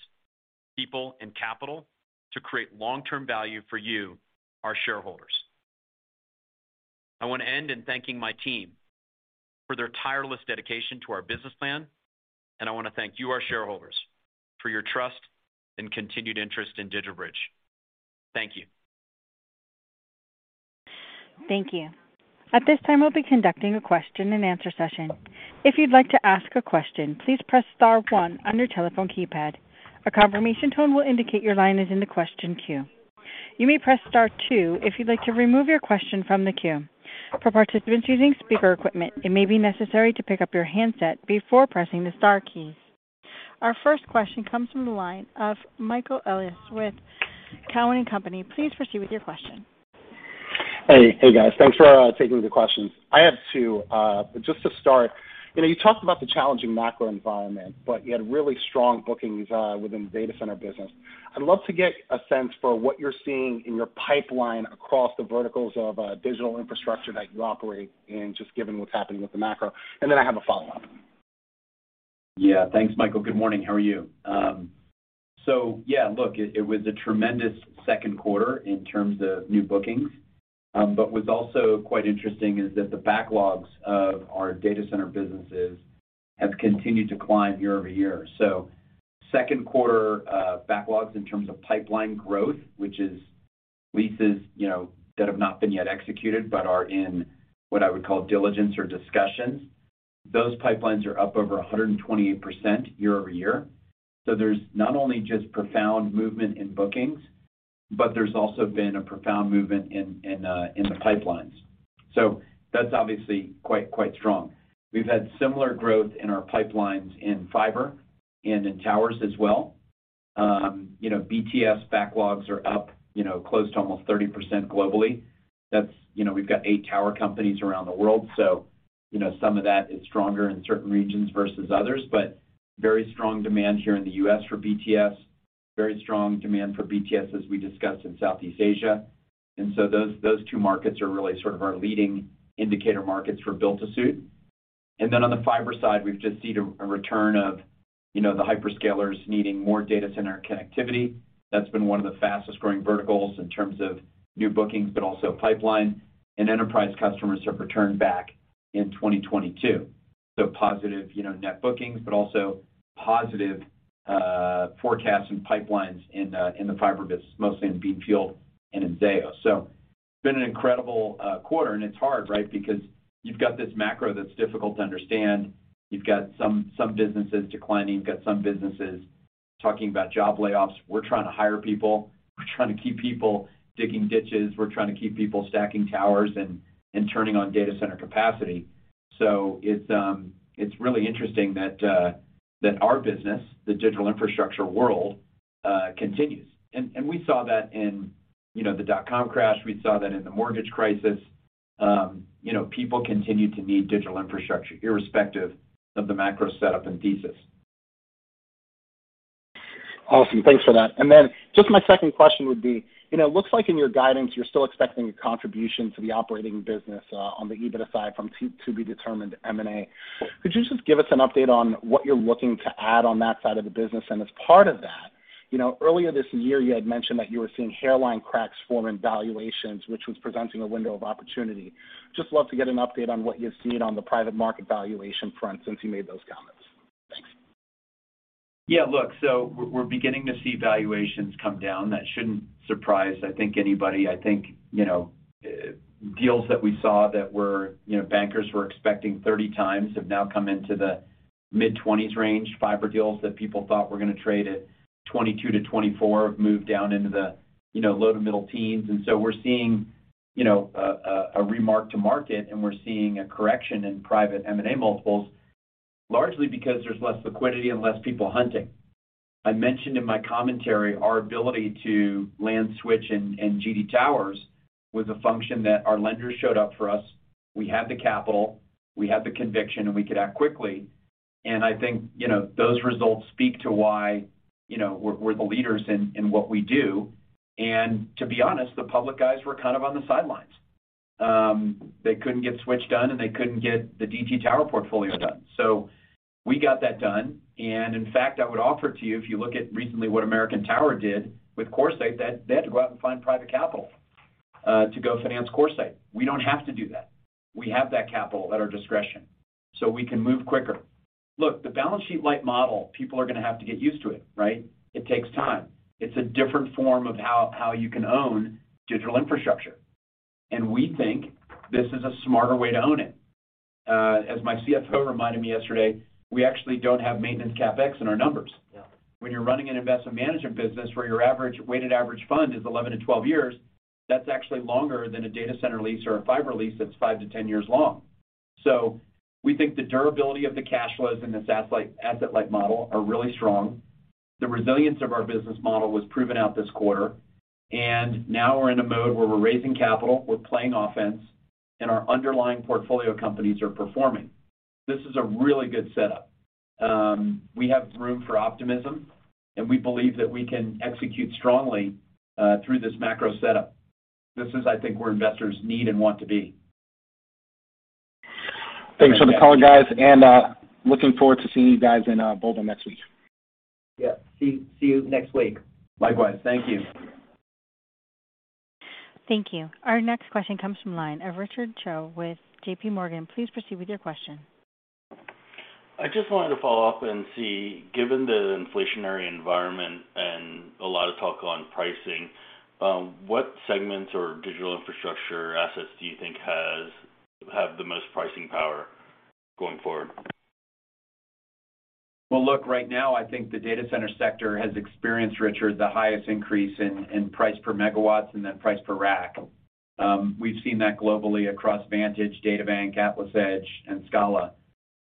[SPEAKER 3] people, and capital to create long-term value for you, our shareholders. I want to end in thanking my team for their tireless dedication to our business plan, and I want to thank you, our shareholders, for your trust and continued interest in DigitalBridge. Thank you.
[SPEAKER 1] Thank you. At this time, we'll be conducting a question and answer session. If you'd like to ask a question, please press star one on your telephone keypad. A confirmation tone will indicate your line is in the question queue. You may press star two if you'd like to remove your question from the queue. For participants using speaker equipment, it may be necessary to pick up your handset before pressing the star keys. Our first question comes from the line of Michael Elias with Cowen and Company. Please proceed with your question.
[SPEAKER 5] Hey. Hey, guys. Thanks for taking the questions. I have two. But just to start, you know, you talked about the challenging macro environment, but you had really strong bookings within the data center business. I'd love to get a sense for what you're seeing in your pipeline across the verticals of digital infrastructure that you operate and just given what's happening with the macro. Then I have a follow-up.
[SPEAKER 3] Yeah. Thanks, Michael. Good morning. How are you? Yeah, look, it was a tremendous second quarter in terms of new bookings. What's also quite interesting is that the backlogs of our data center businesses have continued to climb year-over-year. Second quarter backlogs in terms of pipeline growth, which is leases, you know, that have not been yet executed but are in what I would call diligence or discussions. Those pipelines are up over 128% year-over-year. There's not only just profound movement in bookings. There's also been a profound movement in the pipelines. That's obviously quite strong. We've had similar growth in our pipelines in fiber and in towers as well. You know, BTS backlogs are up, you know, close to almost 30% globally. That's, you know, we've got eight tower companies around the world. You know, some of that is stronger in certain regions versus others, but very strong demand here in the U.S. for BTS. Very strong demand for BTS, as we discussed in Southeast Asia. Those two markets are really sort of our leading indicator markets for built to suit. Then on the fiber side, we've just seen a return of, you know, the hyperscalers needing more data center connectivity. That's been one of the fastest-growing verticals in terms of new bookings, but also pipeline and enterprise customers have returned back in 2022. Positive, you know, net bookings, but also positive forecasts and pipelines in the fiber business, mostly in Beanfield and in Zayo. It's been an incredible quarter, and it's hard, right? Because you've got this macro that's difficult to understand. You've got some businesses declining. You've got some businesses talking about job layoffs. We're trying to hire people. We're trying to keep people digging ditches. We're trying to keep people stacking towers and turning on data center capacity. It's really interesting that our business, the digital infrastructure world, continues. We saw that in the dot-com crash. We saw that in the mortgage crisis. You know, people continue to need digital infrastructure irrespective of the macro setup and thesis.
[SPEAKER 5] Awesome. Thanks for that. Just my second question would be, you know, it looks like in your guidance you're still expecting a contribution to the operating business on the EBIT side from to be determined M&A. Could you just give us an update on what you're looking to add on that side of the business? As part of that, you know, earlier this year you had mentioned that you were seeing hairline cracks form in valuations, which was presenting a window of opportunity. Just love to get an update on what you've seen on the private market valuation front since you made those comments. Thanks.
[SPEAKER 3] Yeah, look, we're beginning to see valuations come down. That shouldn't surprise anybody, I think, you know, deals that we saw that were, you know, bankers were expecting 30x have now come into the mid-20s range. Fiber deals that people thought were gonna trade at 22-24 have moved down into the, you know, low- to mid-teens. We're seeing, you know, a mark-to-market, and we're seeing a correction in private M&A multiples largely because there's less liquidity and less people hunting. I mentioned in my commentary our ability to land Switch and GD Towers was a function that our lenders showed up for us. We had the capital, we had the conviction, and we could act quickly. I think, you know, those results speak to why, you know, we're the leaders in what we do. To be honest, the public guys were kind of on the sidelines. They couldn't get Switch done, and they couldn't get the DT Tower portfolio done. We got that done. In fact, I would offer to you, if you look at recently what American Tower did with CoreSite, they had to go out and find private capital to go finance CoreSite. We don't have to do that. We have that capital at our discretion, so we can move quicker. Look, the balance sheet light model, people are gonna have to get used to it, right? It takes time. It's a different form of how you can own digital infrastructure, and we think this is a smarter way to own it. As my CFO reminded me yesterday, we actually don't have maintenance CapEx in our numbers.
[SPEAKER 5] Yeah.
[SPEAKER 3] When you're running an investment management business where your weighted average fund is 11-12 years, that's actually longer than a data center lease or a fiber lease that's 5-10 years long. We think the durability of the cash flows in this asset-light model are really strong. The resilience of our business model was proven out this quarter. Now we're in a mode where we're raising capital, we're playing offense, and our underlying portfolio companies are performing. This is a really good setup. We have room for optimism, and we believe that we can execute strongly through this macro setup. This is, I think, where investors need and want to be.
[SPEAKER 5] Thanks for the call, guys, and looking forward to seeing you guys in Boulder next week.
[SPEAKER 3] Yeah. See you next week.
[SPEAKER 4] Likewise. Thank you.
[SPEAKER 1] Thank you. Our next question comes from the line of Richard Choe with JP Morgan. Please proceed with your question.
[SPEAKER 6] I just wanted to follow up and see, given the inflationary environment and a lot of talk on pricing, what segments or digital infrastructure assets do you think have the most pricing power going forward?
[SPEAKER 3] Well, look, right now, I think the data center sector has experienced, Richard, the highest increase in price per megawatts and then price per rack. We've seen that globally across Vantage, DataBank, AtlasEdge and Scala.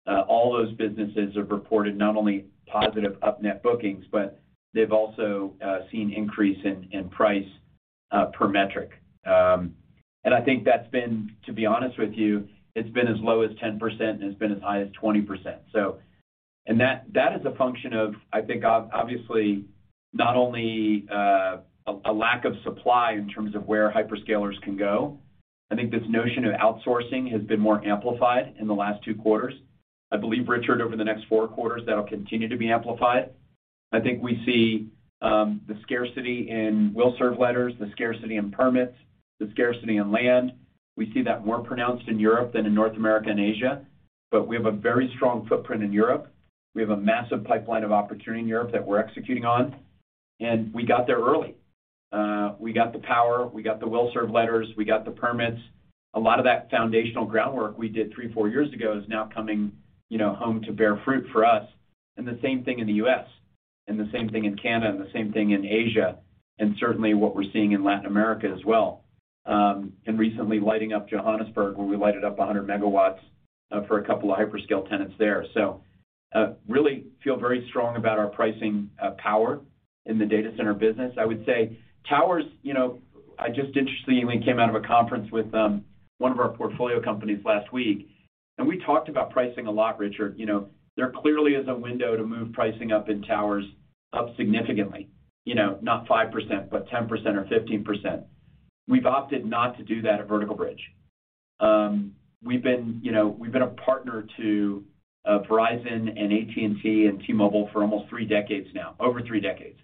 [SPEAKER 3] All those businesses have reported not only positive up net bookings, but they've also seen increase in price per metric. I think that's been, to be honest with you, it's been as low as 10% and it's been as high as 20%. That is a function of, I think, obviously not only a lack of supply in terms of where hyperscalers can go. This notion of outsourcing has been more amplified in the last 2 quarters. I believe, Richard, over the next 4 quarters, that'll continue to be amplified. I think we see the scarcity in will serve letters, the scarcity in permits, the scarcity in land. We see that more pronounced in Europe than in North America and Asia. We have a very strong footprint in Europe. We have a massive pipeline of opportunity in Europe that we're executing on, and we got there early. We got the power, we got the will serve letters, we got the permits. A lot of that foundational groundwork we did three, four years ago is now coming, you know, home to bear fruit for us. The same thing in the US, and the same thing in Canada, and the same thing in Asia, and certainly what we're seeing in Latin America as well. Recently lighting up Johannesburg, where we lighted up 100 MW for a couple of hyperscale tenants there. Really feel very strong about our pricing power in the data center business. I would say towers, you know, I just interestingly came out of a conference with one of our portfolio companies last week, and we talked about pricing a lot, Richard. You know, there clearly is a window to move pricing up in towers up significantly. You know, not 5%, but 10% or 15%. We've opted not to do that at Vertical Bridge. We've been, you know, a partner to Verizon and AT&T and T-Mobile for almost three decades now, over three decades.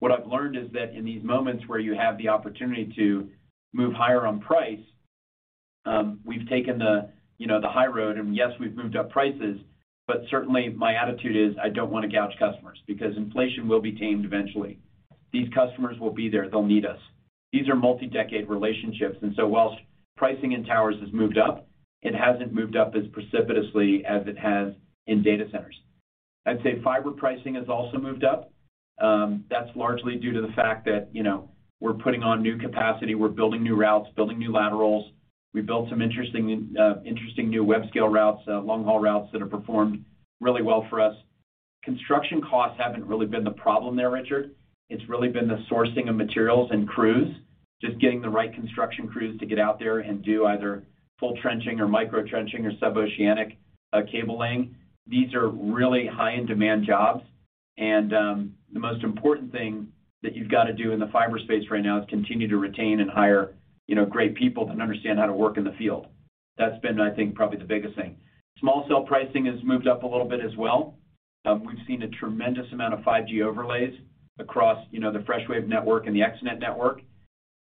[SPEAKER 3] What I've learned is that in these moments where you have the opportunity to move higher on price, we've taken the, you know, the high road, and yes, we've moved up prices, but certainly my attitude is I don't want to gouge customers because inflation will be tamed eventually. These customers will be there. They'll need us. These are multi-decade relationships, and so whilst pricing in towers has moved up, it hasn't moved up as precipitously as it has in data centers. I'd say fiber pricing has also moved up. That's largely due to the fact that, you know, we're putting on new capacity, we're building new routes, building new laterals. We built some interesting new web scale routes, long-haul routes that have performed really well for us. Construction costs haven't really been the problem there, Richard Choe. It's really been the sourcing of materials and crews, just getting the right construction crews to get out there and do either full trenching or micro trenching or suboceanic cabling. These are really high in demand jobs. The most important thing that you've got to do in the fiber space right now is continue to retain and hire, you know, great people that understand how to work in the field. That's been, I think, probably the biggest thing. Small cell pricing has moved up a little bit as well. We've seen a tremendous amount of 5G overlays across, you know, the Freshwave network and the ExteNet network.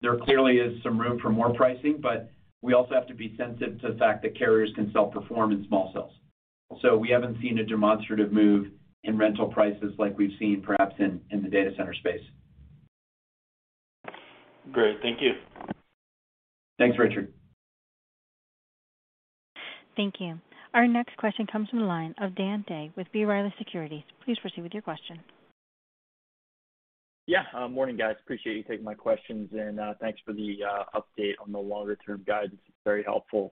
[SPEAKER 3] There clearly is some room for more pricing, but we also have to be sensitive to the fact that carriers can self-perform in small cells. We haven't seen a demonstrative move in rental prices like we've seen perhaps in the data center space.
[SPEAKER 6] Great. Thank you.
[SPEAKER 3] Thanks, Richard.
[SPEAKER 1] Thank you. Our next question comes from the line of Dan Day with B. Riley Securities. Please proceed with your question.
[SPEAKER 7] Yeah. Morning, guys. Appreciate you taking my questions, and thanks for the update on the longer-term guidance. It's very helpful.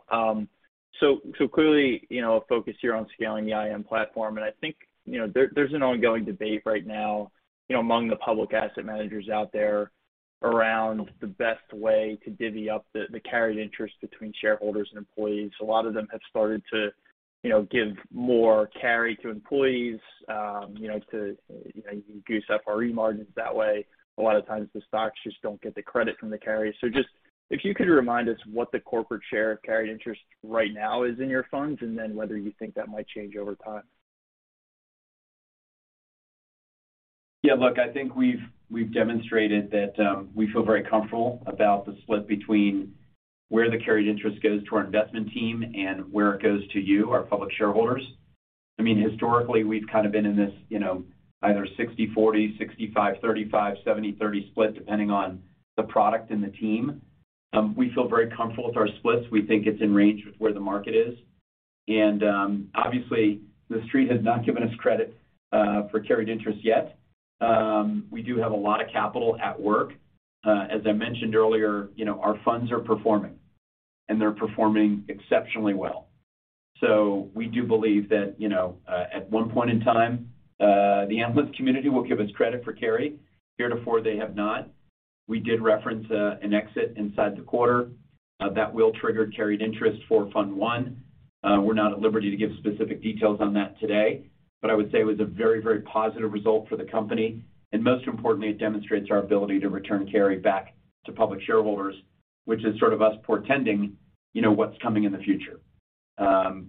[SPEAKER 7] So clearly, you know, a focus here on scaling the IM platform, and I think, you know, there's an ongoing debate right now, you know, among the public asset managers out there around the best way to divvy up the carried interest between shareholders and employees. A lot of them have started to, you know, give more carry to employees, you know, to, you know, you can goose up RE margins that way. A lot of times the stocks just don't get the credit from the carriers. Just if you could remind us what the corporate share of carried interest right now is in your funds, and then whether you think that might change over time.
[SPEAKER 3] Yeah, look, I think we've demonstrated that we feel very comfortable about the split between where the carried interest goes to our investment team and where it goes to you, our public shareholders. I mean, historically, we've kind of been in this, you know, either 60/40, 65/35, 70/30 split, depending on the product and the team. We feel very comfortable with our splits. We think it's in range with where the market is. Obviously, the street has not given us credit for carried interest yet. We do have a lot of capital at work. As I mentioned earlier, you know, our funds are performing, and they're performing exceptionally well. We do believe that, you know, at one point in time, the analyst community will give us credit for carry. Heretofore, they have not. We did reference an exit inside the quarter that will trigger carried interest for fund one. We're not at liberty to give specific details on that today, but I would say it was a very, very positive result for the company. Most importantly, it demonstrates our ability to return carry back to public shareholders, which is sort of us portending, you know, what's coming in the future.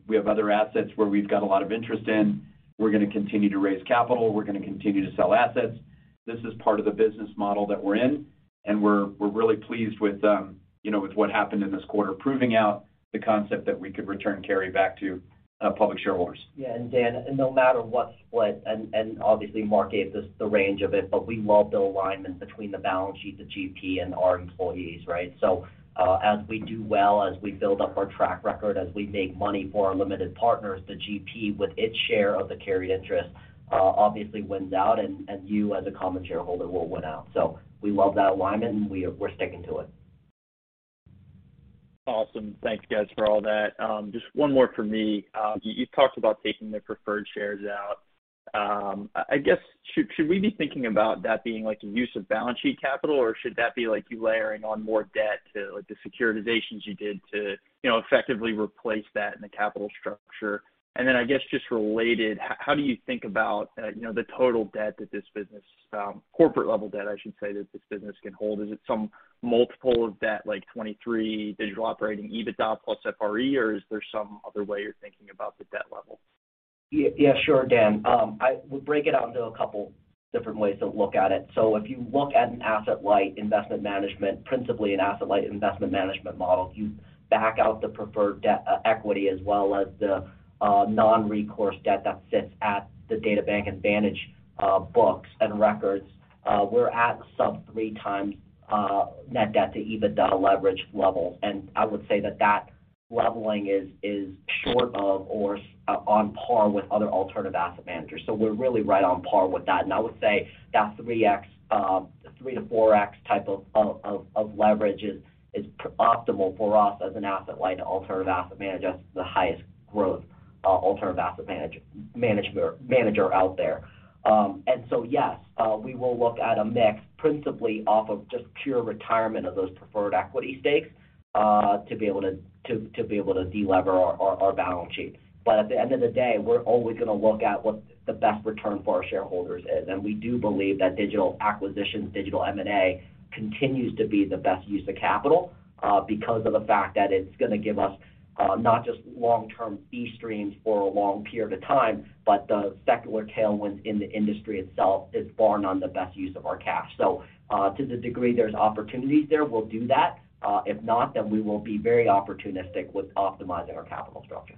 [SPEAKER 3] We have other assets where we've got a lot of interest in. We're gonna continue to raise capital. We're gonna continue to sell assets. This is part of the business model that we're in, and we're really pleased with, you know, with what happened in this quarter, proving out the concept that we could return carry back to public shareholders.
[SPEAKER 4] Dan, no matter what split, and obviously Marc gave us the range of it, but we love the alignment between the balance sheet, the GP, and our employees, right? As we do well, as we build up our track record, as we make money for our limited partners, the GP with its share of the carry interest obviously wins out and you as a common shareholder will win out. We love that alignment, and we're sticking to it.
[SPEAKER 7] Awesome. Thanks, guys, for all that. Just one more for me. You've talked about taking the preferred shares out. I guess, should we be thinking about that being like a use of balance sheet capital, or should that be like you layering on more debt to like the securitizations you did to, you know, effectively replace that in the capital structure? I guess just related, how do you think about, you know, the total debt that this business, corporate level debt, I should say, that this business can hold? Is it some multiple of debt, like 2.3x digital operating EBITDA plus FRE, or is there some other way you're thinking about the debt level?
[SPEAKER 4] Yeah, sure, Dan. We break it out into a couple different ways to look at it. If you look at an asset-light investment management, principally an asset-light investment management model, if you back out the preferred equity as well as the non-recourse debt that sits at the DataBank and Vantage books and records, we're at sub-3x net debt to EBITDA leverage levels. I would say that leveling is short of or on par with other alternative asset managers. We're really right on par with that. I would say that 3x-4x type of leverage is optimal for us as an asset-light alternative asset manager, the highest growth alternative asset manager out there. Yes, we will look at a mix principally off of just pure retirement of those preferred equity stakes, to be able to de-lever our balance sheet. At the end of the day, we're always gonna look at what the best return for our shareholders is. We do believe that digital acquisitions, digital M&A, continues to be the best use of capital, because of the fact that it's gonna give us, not just long-term fee streams for a long period of time, but the secular tailwinds in the industry itself is far and away the best use of our cash. To the degree there's opportunities there, we'll do that. If not, then we will be very opportunistic with optimizing our capital structure.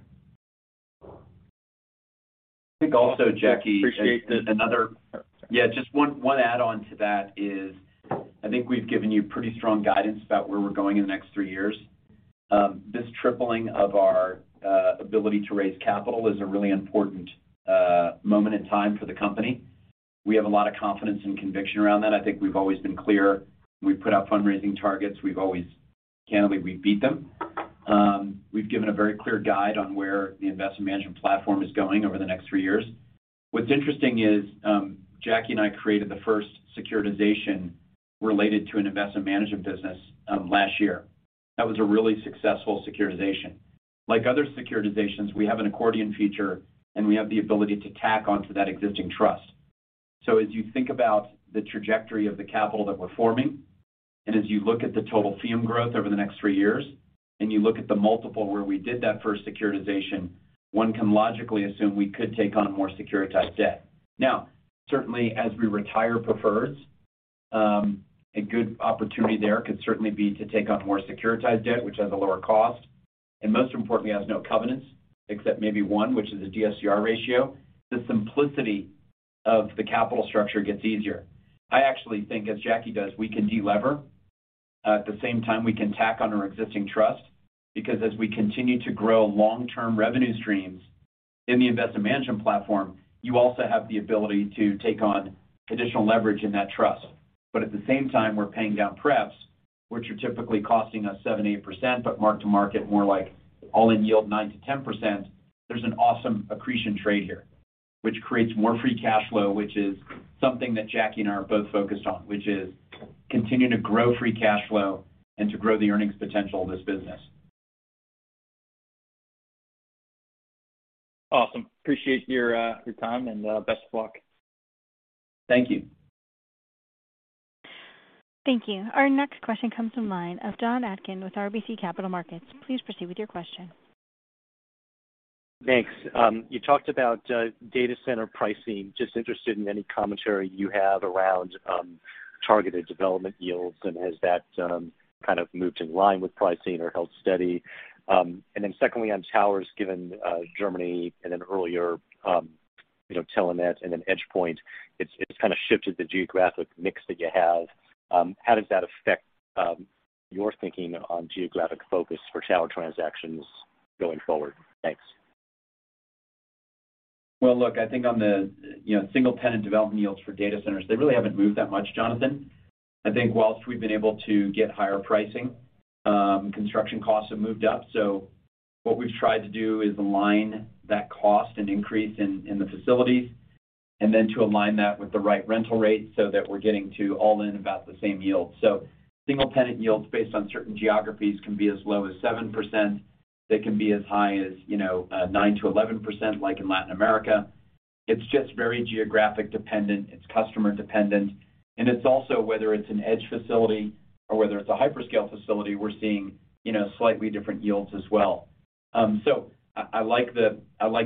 [SPEAKER 3] I think also, Jackie-
[SPEAKER 7] Appreciate the-
[SPEAKER 3] Another-
[SPEAKER 7] Sorry.
[SPEAKER 3] Yeah, just one add-on to that is I think we've given you pretty strong guidance about where we're going in the next three years. This tripling of our ability to raise capital is a really important moment in time for the company. We have a lot of confidence and conviction around that. I think we've always been clear. We put out fundraising targets, we've always candidly, we beat them. We've given a very clear guide on where the investment management platform is going over the next three years. What's interesting is, Jackie and I created the first securitization related to an investment management business last year. That was a really successful securitization. Like other securitizations, we have an accordion feature, and we have the ability to tack on to that existing trust. As you think about the trajectory of the capital that we're forming, and as you look at the total fee growth over the next three years, and you look at the multiple where we did that first securitization, one can logically assume we could take on more securitized debt. Now, certainly, as we retire preferreds, a good opportunity there could certainly be to take on more securitized debt, which has a lower cost, and most importantly, has no covenants, except maybe one, which is a DSCR ratio. The simplicity of the capital structure gets easier. I actually think, as Jackie does, we can de-lever. At the same time, we can tack on our existing trust, because as we continue to grow long-term revenue streams in the investment management platform, you also have the ability to take on additional leverage in that trust. At the same time, we're paying down prefs, which are typically costing us 7-8%, but mark to market, more like all-in yield, 9%-10%. There's an awesome accretion trade here, which creates more free cash flow, which is something that Jacky and I are both focused on, which is continue to grow free cash flow and to grow the earnings potential of this business.
[SPEAKER 7] Awesome. Appreciate your time and best of luck.
[SPEAKER 3] Thank you.
[SPEAKER 1] Thank you. Our next question comes from the line of Jonathan Atkin with RBC Capital Markets. Please proceed with your question.
[SPEAKER 8] Thanks. You talked about data center pricing. Just interested in any commentary you have around targeted development yields, and has that kind of moved in line with pricing or held steady. Secondly, on towers, given Germany and then earlier, you know, Telenet and then EdgePoint, it's kinda shifted the geographic mix that you have. How does that affect your thinking on geographic focus for tower transactions going forward? Thanks.
[SPEAKER 3] Well, look, I think on the, you know, single tenant development yields for data centers, they really haven't moved that much, Jonathan. I think while we've been able to get higher pricing, construction costs have moved up. So what we've tried to do is align that cost and increase in the facilities, and then to align that with the right rental rate so that we're getting to all in about the same yield. So single tenant yields based on certain geographies can be as low as 7%. They can be as high as, you know, 9%-11% like in Latin America. It's just very geographic dependent, it's customer dependent. It's also whether it's an edge facility or whether it's a hyperscale facility, we're seeing, you know, slightly different yields as well. I like the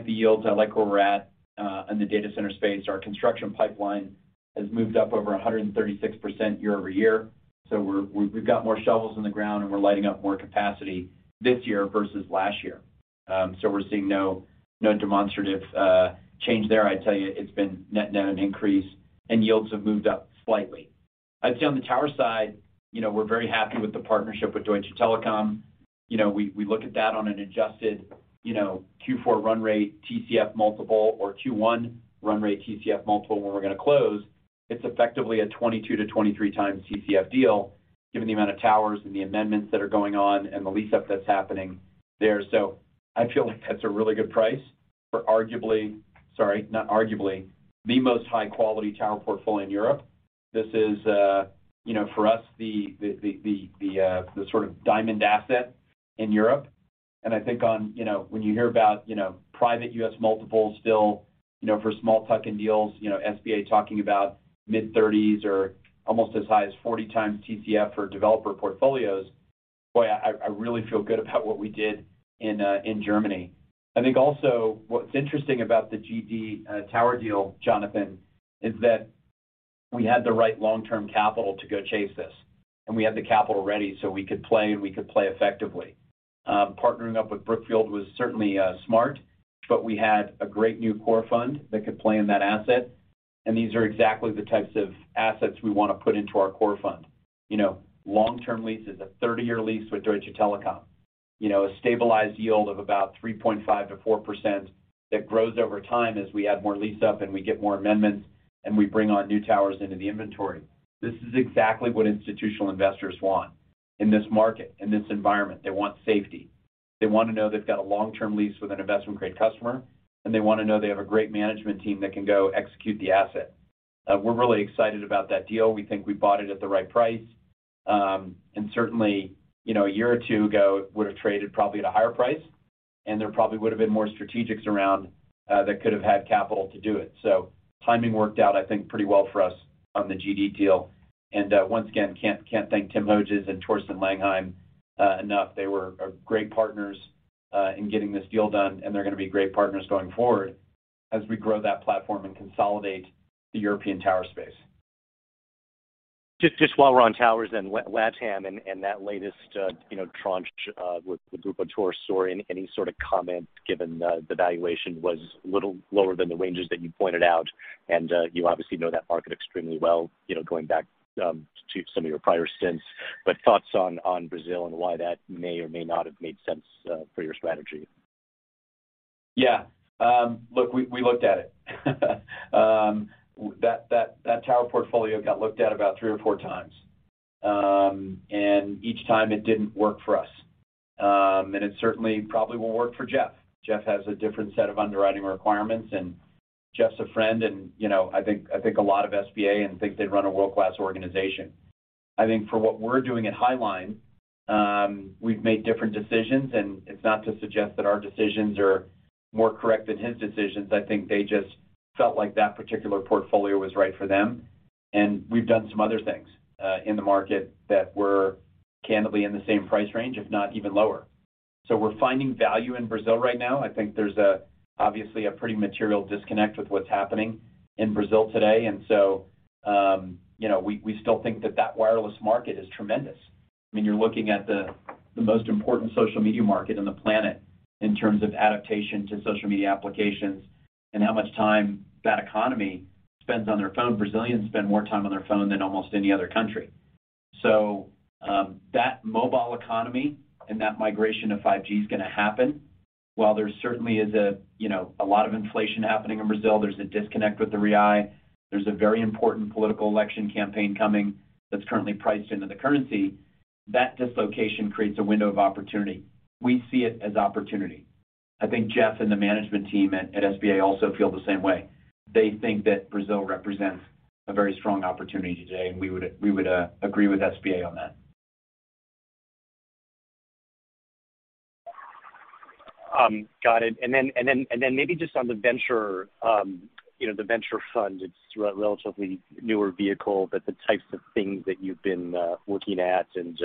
[SPEAKER 3] yields, I like where we're at in the data center space. Our construction pipeline has moved up over 136% year-over-year. We've got more shovels in the ground and we're lighting up more capacity this year versus last year. We're seeing no demonstrative change there. I'd tell you it's been net net an increase, and yields have moved up slightly. I'd say on the tower side, you know, we're very happy with the partnership with Deutsche Telekom. You know, we look at that on an adjusted, you know, Q4 run rate, TCF multiple or Q1 run rate TCF multiple when we're gonna close. It's effectively a 22-23 times TCF deal given the amount of towers and the amendments that are going on and the lease-up that's happening there. I feel like that's a really good price for the most high-quality tower portfolio in Europe. This is, you know, for us, the sort of diamond asset in Europe. I think on, you know, when you hear about, you know, private U.S. multiples still, you know, for small tuck-in deals, you know, SBA talking about mid-30s or almost as high as 40 times TCF for developer portfolios, boy, I really feel good about what we did in Germany. I think also what's interesting about the GD Towers, tower deal, Jonathan, is that we had the right long-term capital to go chase this, and we had the capital ready so we could play, and we could play effectively. Partnering up with Brookfield was certainly smart, but we had a great new core fund that could play in that asset. These are exactly the types of assets we wanna put into our core fund. You know, long-term leases, a 30-year lease with Deutsche Telekom. You know, a stabilized yield of about 3.5%-4% that grows over time as we add more lease up and we get more amendments, and we bring on new towers into the inventory. This is exactly what institutional investors want in this market, in this environment. They want safety. They wanna know they've got a long-term lease with an investment-grade customer, and they wanna know they have a great management team that can go execute the asset. We're really excited about that deal. We think we bought it at the right price. Certainly, you know, a year or two ago, it would have traded probably at a higher price, and there probably would have been more strategics around that could have had capital to do it. Timing worked out, I think, pretty well for us on the GD deal. Once again, can't thank Timotheus Höttges and Thorsten Langheim enough. They were great partners in getting this deal done, and they're gonna be great partners going forward as we grow that platform and consolidate the European tower space.
[SPEAKER 8] Just while we're on towers then, LATAM and that latest tranche with Grupo TorreSur or any sort of comment, given the valuation was a little lower than the ranges that you pointed out. You obviously know that market extremely well, you know, going back to some of your prior stints. Thoughts on Brazil and why that may or may not have made sense for your strategy.
[SPEAKER 3] Yeah. Look, we looked at it. That tower portfolio got looked at about three or four times. Each time it didn't work for us. It certainly probably won't work for Jeff. Jeff has a different set of underwriting requirements, and Jeff's a friend, and, you know, I think a lot of SBA, and think they run a world-class organization. I think for what we're doing at Highline, we've made different decisions, and it's not to suggest that our decisions are more correct than his decisions. I think they just felt like that particular portfolio was right for them. We've done some other things in the market that were candidly in the same price range, if not even lower. We're finding value in Brazil right now. I think there's obviously a pretty material disconnect with what's happening in Brazil today. We still think that wireless market is tremendous. I mean, you're looking at the most important social media market on the planet in terms of adaptation to social media applications and how much time that economy spends on their phone. Brazilians spend more time on their phone than almost any other country. That mobile economy and that migration to 5G is gonna happen. While there certainly is a you know a lot of inflation happening in Brazil, there's a disconnect with the Real. There's a very important political election campaign coming that's currently priced into the currency. That dislocation creates a window of opportunity. We see it as opportunity. I think Jeff and the management team at SBA also feel the same way. They think that Brazil represents a very strong opportunity today, and we would agree with SBA on that.
[SPEAKER 8] Got it. Maybe just on the venture, you know, the venture fund, it's a relatively newer vehicle, but the types of things that you've been working at and,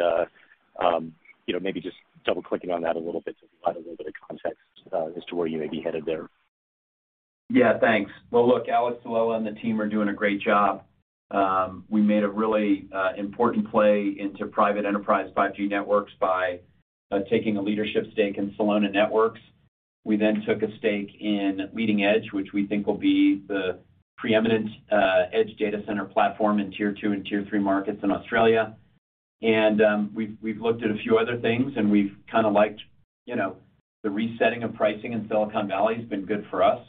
[SPEAKER 8] you know, maybe just double-clicking on that a little bit to provide a little bit of context, as to where you may be headed there.
[SPEAKER 3] Yeah, thanks. Well, look, Alex Gellman and the team are doing a great job. We made a really important play into private enterprise 5G networks by taking a leadership stake in Celona Networks. We then took a stake in Leading Edge, which we think will be the preeminent edge data center platform in tier two and tier three markets in Australia. We've looked at a few other things, and we've kinda liked, you know, the resetting of pricing in Silicon Valley has been good for us.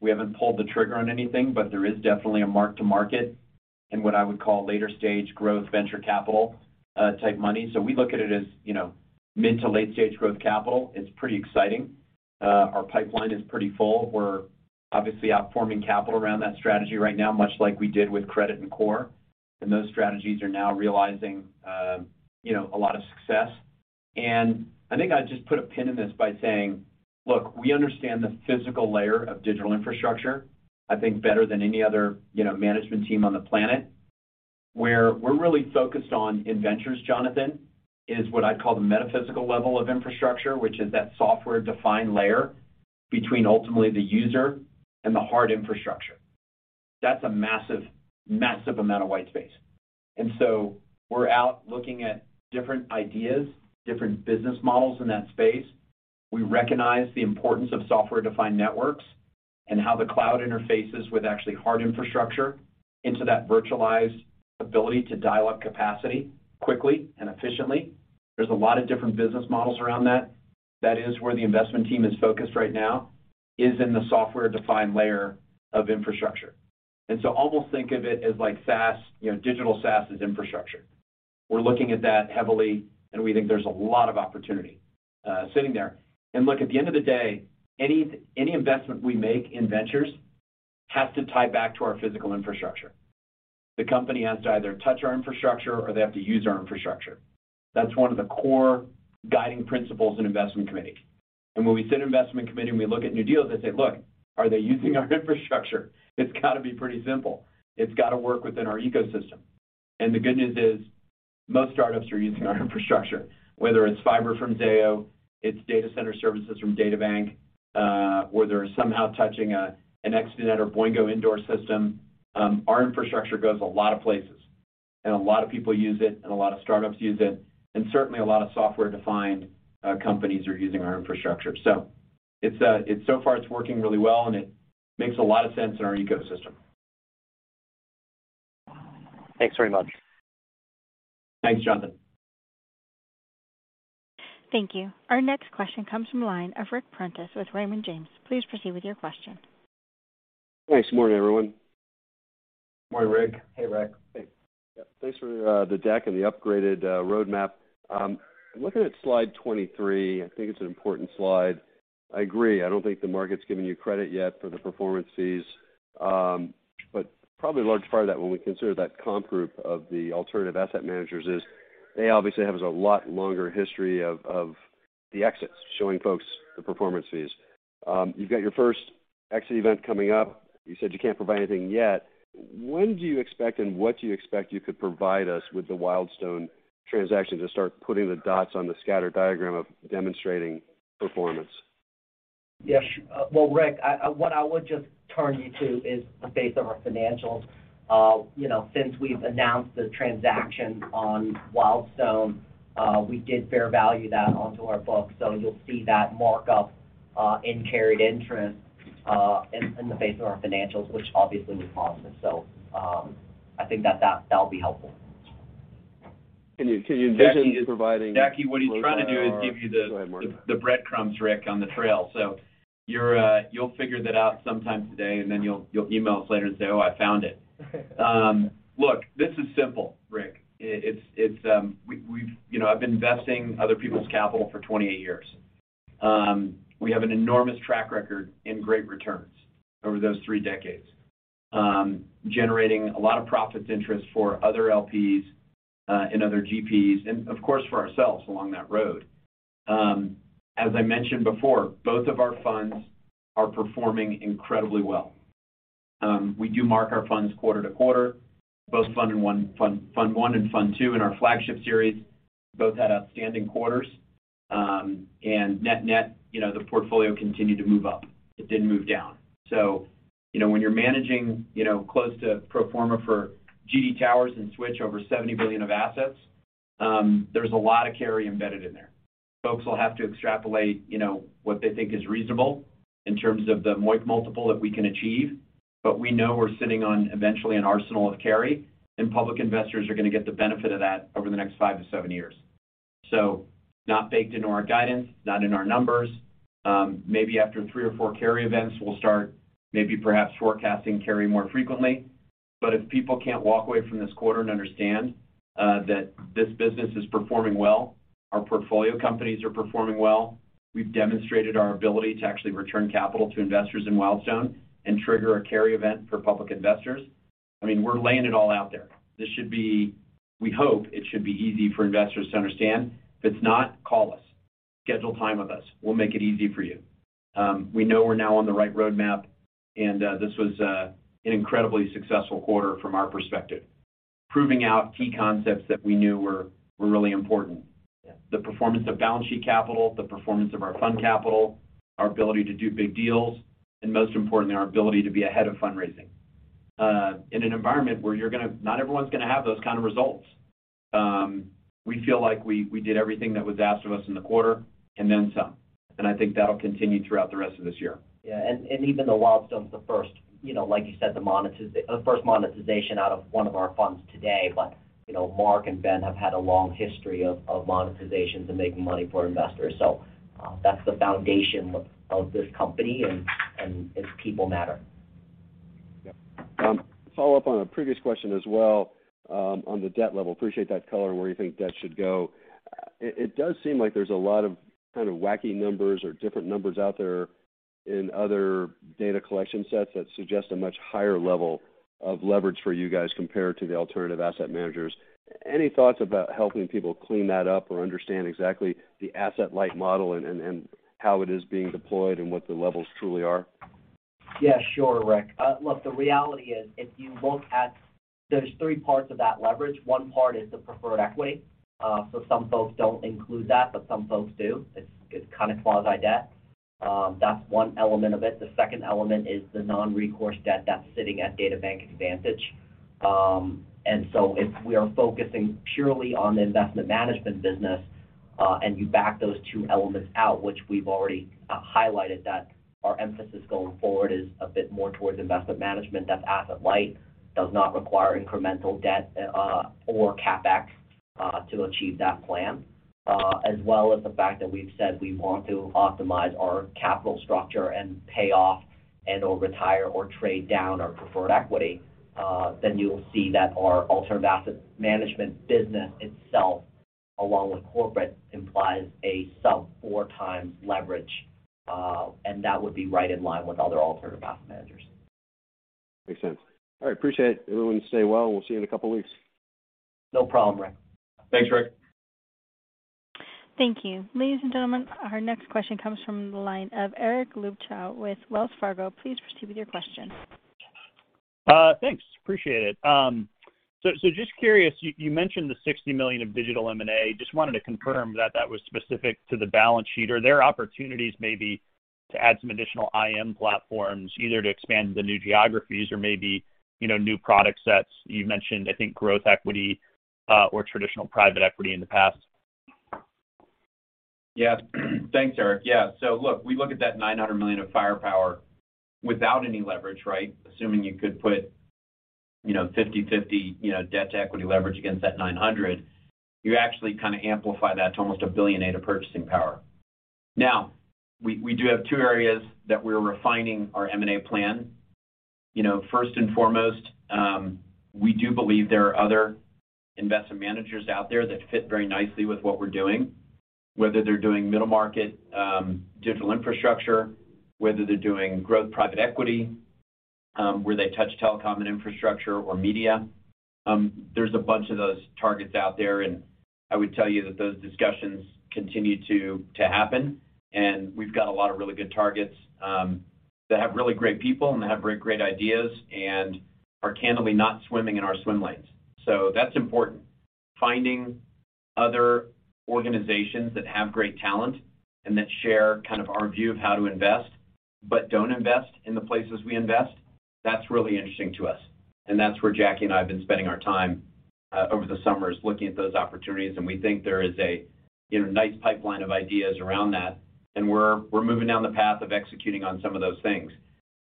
[SPEAKER 3] We haven't pulled the trigger on anything, but there is definitely a mark to market in what I would call later stage growth venture capital type money. We look at it as, you know, mid to late stage growth capital. It's pretty exciting. Our pipeline is pretty full. We're obviously out forming capital around that strategy right now, much like we did with credit and core. Those strategies are now realizing, you know, a lot of success. I think I'd just put a pin in this by saying, look, we understand the physical layer of digital infrastructure, I think better than any other, you know, management team on the planet. Where we're really focused on in ventures, Jonathan, is what I'd call the metaphysical level of infrastructure, which is that software-defined layer between ultimately the user and the hard infrastructure. That's a massive amount of white space. We're out looking at different ideas, different business models in that space. We recognize the importance of software-defined networks and how the cloud interfaces with actually hard infrastructure into that virtualized ability to dial up capacity quickly and efficiently. There's a lot of different business models around that. That is where the investment team is focused right now, is in the software-defined layer of infrastructure. Almost think of it as like SaaS, you know, digital SaaS as infrastructure. We're looking at that heavily, and we think there's a lot of opportunity sitting there. Look, at the end of the day, any investment we make in ventures has to tie back to our physical infrastructure. The company has to either touch our infrastructure or they have to use our infrastructure. That's one of the core guiding principles in investment committee. When we sit in investment committee and we look at new deals and say, "Look, are they using our infrastructure?" It's gotta be pretty simple. It's gotta work within our ecosystem. The good news is most startups are using our infrastructure, whether it's fiber from Zayo, it's data center services from DataBank, or they're somehow touching an ExteNet or Boingo indoor system, our infrastructure goes a lot of places. A lot of people use it, and a lot of startups use it, and certainly a lot of software-defined companies are using our infrastructure. So it's so far working really well, and it makes a lot of sense in our ecosystem.
[SPEAKER 8] Thanks very much.
[SPEAKER 3] Thanks, Jonathan.
[SPEAKER 1] Thank you. Our next question comes from the line of Ric Prentiss with Raymond James. Please proceed with your question.
[SPEAKER 9] Hey. Good morning, everyone.
[SPEAKER 3] Good morning, Ric.
[SPEAKER 4] Hey, Ric.
[SPEAKER 9] Hey. Yeah, thanks for the deck and the upgraded roadmap. Looking at slide 23, I think it's an important slide. I agree, I don't think the market's giving you credit yet for the performance fees. But probably a large part of that when we consider that comp group of the alternative asset managers is they obviously have a lot longer history of the exits, showing folks the performance fees. You've got your first exit event coming up. You said you can't provide anything yet. When do you expect and what do you expect you could provide us with the Wildstone transaction to start putting the dots on the scatter diagram of demonstrating performance?
[SPEAKER 4] Yeah, sure. Well, Ric, what I would just turn you to is the face of our financials. You know, since we've announced the transaction on Wildstone, we did fair value that onto our books. You'll see that markup in carried interest in the face of our financials, which obviously was positive. I think that'll be helpful.
[SPEAKER 9] Can you envision providing?
[SPEAKER 3] Jacky, what he's trying to do is give you the.
[SPEAKER 9] Go ahead, Marc...
[SPEAKER 3] the breadcrumbs, Rick, on the trail. You'll figure that out sometime today, and then you'll email us later and say, "Oh, I found it." Look, this is simple, Rick. You know, I've been investing other people's capital for 28 years. We have an enormous track record in great returns over those three decades, generating a lot of profits interest for other LPs, and other GPs and, of course, for ourselves along that road. As I mentioned before, both of our funds are performing incredibly well. We do mark our funds quarter to quarter, both Fund 1 and Fund 2 in our flagship series both had outstanding quarters. Net-net, you know, the portfolio continued to move up. It didn't move down. You know, when you're managing, you know, close to pro forma for GD Towers and Switch over $70 billion of assets, there's a lot of carry embedded in there. Folks will have to extrapolate, you know, what they think is reasonable in terms of the MOIC multiple that we can achieve. But we know we're sitting on eventually an arsenal of carry, and public investors are gonna get the benefit of that over the next 5-7 years. Not baked into our guidance, not in our numbers. Maybe after 3 or 4 carry events, we'll start maybe perhaps forecasting carry more frequently. If people can't walk away from this quarter and understand that this business is performing well, our portfolio companies are performing well, we've demonstrated our ability to actually return capital to investors in Wildstone and trigger a carry event for public investors. I mean, we're laying it all out there. This should be. We hope it should be easy for investors to understand. If it's not, call us. Schedule time with us. We'll make it easy for you. We know we're now on the right roadmap, and this was an incredibly successful quarter from our perspective, proving out key concepts that we knew were really important. The performance of balance sheet capital, the performance of our fund capital, our ability to do big deals, and most importantly, our ability to be ahead of fundraising in an environment where not everyone's gonna have those kind of results. We feel like we did everything that was asked of us in the quarter and then some, and I think that'll continue throughout the rest of this year.
[SPEAKER 4] Yeah. Even though Wildstone's the first, you know, like you said, the first monetization out of one of our funds today, but, you know, Marc and Ben have had a long history of monetizations and making money for investors. That's the foundation of this company and its people matter.
[SPEAKER 9] Yeah. Follow up on a previous question as well, on the debt level. Appreciate that color on where you think debt should go. It does seem like there's a lot of, kind of wacky numbers or different numbers out there in other data collection sets that suggest a much higher level of leverage for you guys compared to the alternative asset managers. Any thoughts about helping people clean that up or understand exactly the asset-light model and how it is being deployed and what the levels truly are?
[SPEAKER 4] Yeah, sure, Rick. Look, the reality is, there's three parts of that leverage. One part is the preferred equity, so some folks don't include that, but some folks do. It's kind of quasi-debt. That's one element of it. The second element is the non-recourse debt that's sitting at DataBank and Vantage. If we are focusing purely on the investment management business, and you back those two elements out, which we've already highlighted that our emphasis going forward is a bit more towards investment management, that's asset-light, does not require incremental debt, or CapEx, to achieve that plan. As well as the fact that we've said we want to optimize our capital structure and pay off and/or retire or trade down our preferred equity, then you'll see that our alternative asset management business itself, along with corporate, implies a sub-4x leverage, and that would be right in line with other alternative asset managers.
[SPEAKER 9] Makes sense. All right. Appreciate it. Everyone stay well, and we'll see you in a couple of weeks.
[SPEAKER 4] No problem, Ric.
[SPEAKER 3] Thanks, Ric.
[SPEAKER 1] Thank you. Ladies and gentlemen, our next question comes from the line of Eric Luebchow with Wells Fargo. Please proceed with your question.
[SPEAKER 10] Thanks. Appreciate it. Just curious, you mentioned the $60 million in digital M&A. Just wanted to confirm that that was specific to the balance sheet. Are there opportunities maybe to add some additional IM platforms, either to expand the new geographies or maybe, you know, new product sets. You've mentioned, I think, growth equity or traditional private equity in the past.
[SPEAKER 3] Yeah. Thanks, Eric. Yeah. Look, we look at that $900 million of firepower without any leverage, right? Assuming you could put, you know, 50/50, you know, debt to equity leverage against that 900, you actually kind of amplify that to almost $1.8 billion of purchasing power. Now, we do have two areas that we're refining our M&A plan. You know, first and foremost, we do believe there are other investment managers out there that fit very nicely with what we're doing, whether they're doing middle market, digital infrastructure, whether they're doing growth private equity, where they touch telecom and infrastructure or media. There's a bunch of those targets out there, and I would tell you that those discussions continue to happen. We've got a lot of really good targets that have really great people and that have great ideas and are candidly not swimming in our swim lanes. That's important. Finding other organizations that have great talent and that share kind of our view of how to invest, but don't invest in the places we invest, that's really interesting to us. That's where Jackie and I have been spending our time over the summer is looking at those opportunities, and we think there is a, you know, nice pipeline of ideas around that. We're moving down the path of executing on some of those things.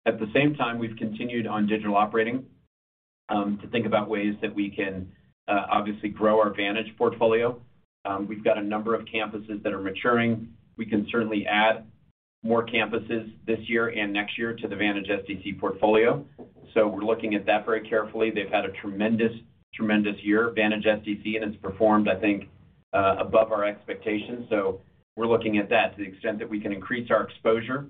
[SPEAKER 3] At the same time, we've continued on digital operating to think about ways that we can obviously grow our Vantage portfolio. We've got a number of campuses that are maturing. We can certainly add more campuses this year and next year to the Vantage SDC portfolio. We're looking at that very carefully. They've had a tremendous year, Vantage SDC, and it's performed, I think, above our expectations. We're looking at that to the extent that we can increase our exposure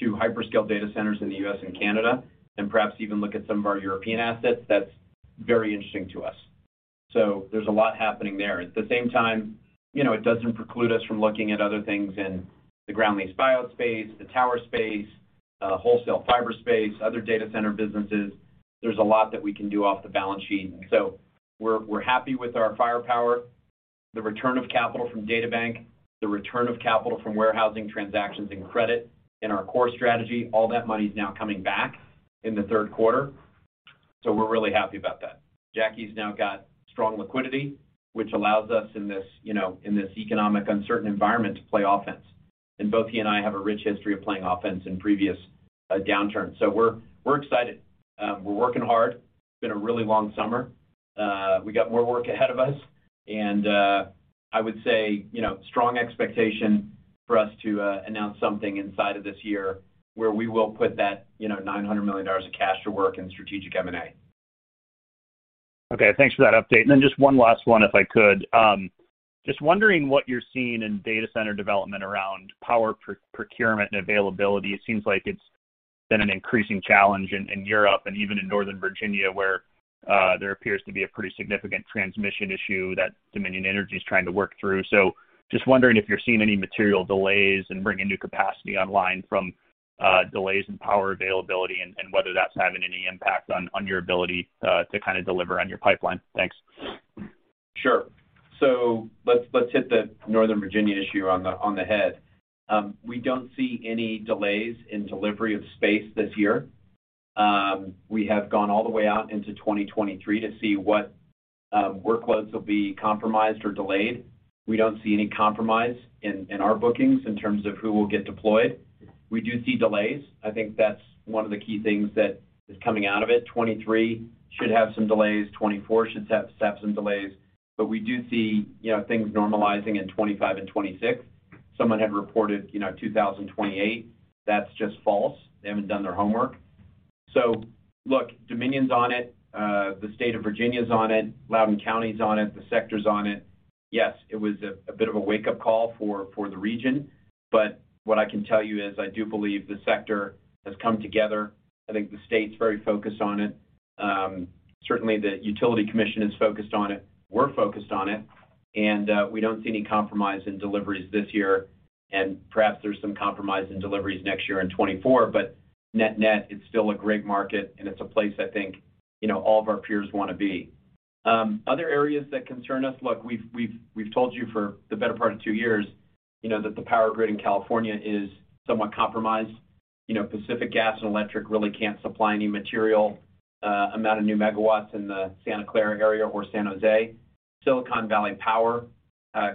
[SPEAKER 3] to hyperscale data centers in the U.S. and Canada, and perhaps even look at some of our European assets. That's very interesting to us. There's a lot happening there. At the same time, you know, it doesn't preclude us from looking at other things in the ground lease buyout space, the tower space, wholesale fiber space, other data center businesses. There's a lot that we can do off the balance sheet. We're happy with our firepower, the return of capital from DataBank, the return of capital from warehousing transactions and credit in our core strategy. All that money is now coming back in the third quarter. We're really happy about that. Jackie's now got strong liquidity, which allows us in this, you know, in this economically uncertain environment to play offense. Both he and I have a rich history of playing offense in previous downturns. We're excited. We're working hard. It's been a really long summer. We got more work ahead of us. I would say, you know, strong expectation for us to announce something inside of this year where we will put that, you know, $900 million of cash to work in strategic M&A.
[SPEAKER 10] Okay. Thanks for that update. Just one last one, if I could. Just wondering what you're seeing in data center development around power procurement and availability. It seems like it's been an increasing challenge in Europe and even in Northern Virginia, where there appears to be a pretty significant transmission issue that Dominion Energy is trying to work through. Just wondering if you're seeing any material delays in bringing new capacity online from delays in power availability and whether that's having any impact on your ability to kind of deliver on your pipeline. Thanks.
[SPEAKER 3] Sure. Let's hit the Northern Virginia issue on the head. We don't see any delays in delivery of space this year. We have gone all the way out into 2023 to see what workloads will be compromised or delayed. We don't see any compromise in our bookings in terms of who will get deployed. We do see delays. I think that's one of the key things that is coming out of it. 2023 should have some delays. 2024 should have some delays. We do see, you know, things normalizing in 2025 and 2026. Someone had reported, you know, 2028. That's just false. They haven't done their homework. Look, Dominion's on it. The State of Virginia is on it. Loudoun County is on it. The sector's on it. Yes, it was a bit of a wake-up call for the region. What I can tell you is I do believe the sector has come together. I think the state's very focused on it. Certainly, the utility commission is focused on it. We're focused on it. We don't see any compromise in deliveries this year. Perhaps there's some compromise in deliveries next year in 2024. Net-net, it's still a great market, and it's a place I think, you know, all of our peers want to be. Other areas that concern us, look, we've told you for the better part of two years, you know, that the power grid in California is somewhat compromised. You know, Pacific Gas and Electric really can't supply any material amount of new megawatts in the Santa Clara area or San Jose. Silicon Valley Power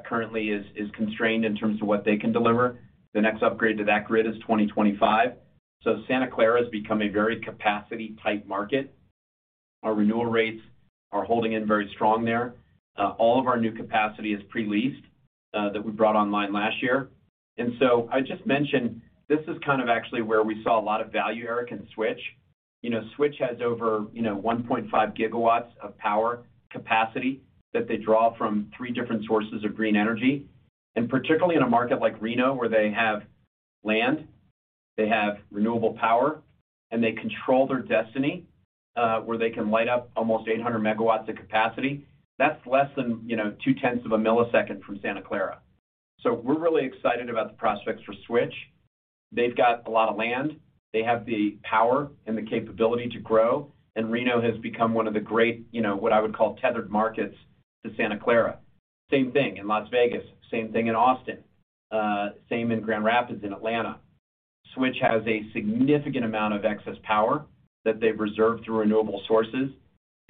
[SPEAKER 3] currently is constrained in terms of what they can deliver. The next upgrade to that grid is 2025. Santa Clara has become a very capacity tight market. Our renewal rates are holding in very strong there. All of our new capacity is pre-leased that we brought online last year. I just mentioned this is kind of actually where we saw a lot of value, Eric, in Switch. You know, Switch has over you know 1.5 GW of power capacity that they draw from three different sources of green energy. Particularly in a market like Reno, where they have land, they have renewable power, and they control their destiny, where they can light up almost 800 MW of capacity. That's less than you know 0.2 of a millisecond from Santa Clara. We're really excited about the prospects for Switch. They've got a lot of land. They have the power and the capability to grow. Reno has become one of the great, you know, what I would call tethered markets to Santa Clara. Same thing in Las Vegas, same thing in Austin, same in Grand Rapids, in Atlanta. Switch has a significant amount of excess power that they've reserved through renewable sources.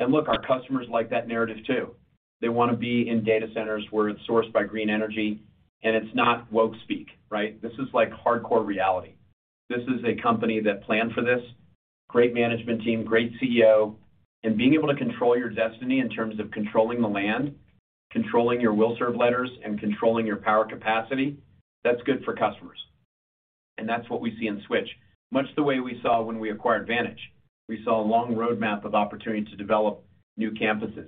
[SPEAKER 3] Look, our customers like that narrative too. They wanna be in data centers where it's sourced by green energy, and it's not woke speak, right? This is like hardcore reality. This is a company that planned for this. Great management team, great CEO. Being able to control your destiny in terms of controlling the land, controlling your will serve letters, and controlling your power capacity, that's good for customers. That's what we see in Switch. Much the way we saw when we acquired Vantage. We saw a long roadmap of opportunity to develop new campuses.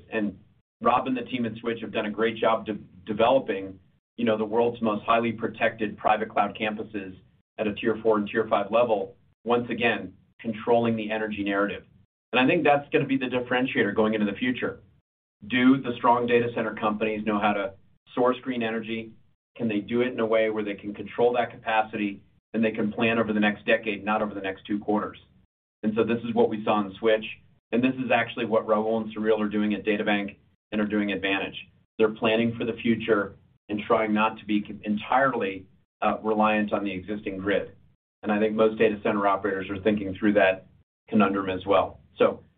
[SPEAKER 3] Rob and the team at Switch have done a great job developing, you know, the world's most highly protected private cloud campuses at a tier 4 and tier 5 level, once again, controlling the energy narrative. I think that's gonna be the differentiator going into the future. Do the strong data center companies know how to source green energy? Can they do it in a way where they can control that capacity and they can plan over the next decade, not over the next 2 quarters? This is what we saw in Switch, and this is actually what Raul and Sureel are doing at DataBank and are doing at Vantage. They're planning for the future and trying not to be entirely reliant on the existing grid. I think most data center operators are thinking through that conundrum as well.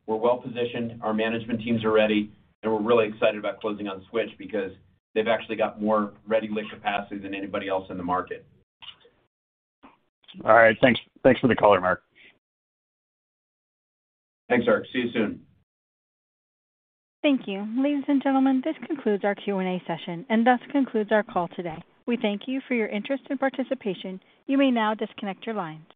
[SPEAKER 3] We're well positioned, our management teams are ready, and we're really excited about closing on Switch because they've actually got more ready liquid capacity than anybody else in the market.
[SPEAKER 10] All right. Thanks for the color, Marc.
[SPEAKER 3] Thanks, Eric Luebchow. See you soon.
[SPEAKER 1] Thank you. Ladies and gentlemen, this concludes our Q&A session and thus concludes our call today. We thank you for your interest and participation. You may now disconnect your lines.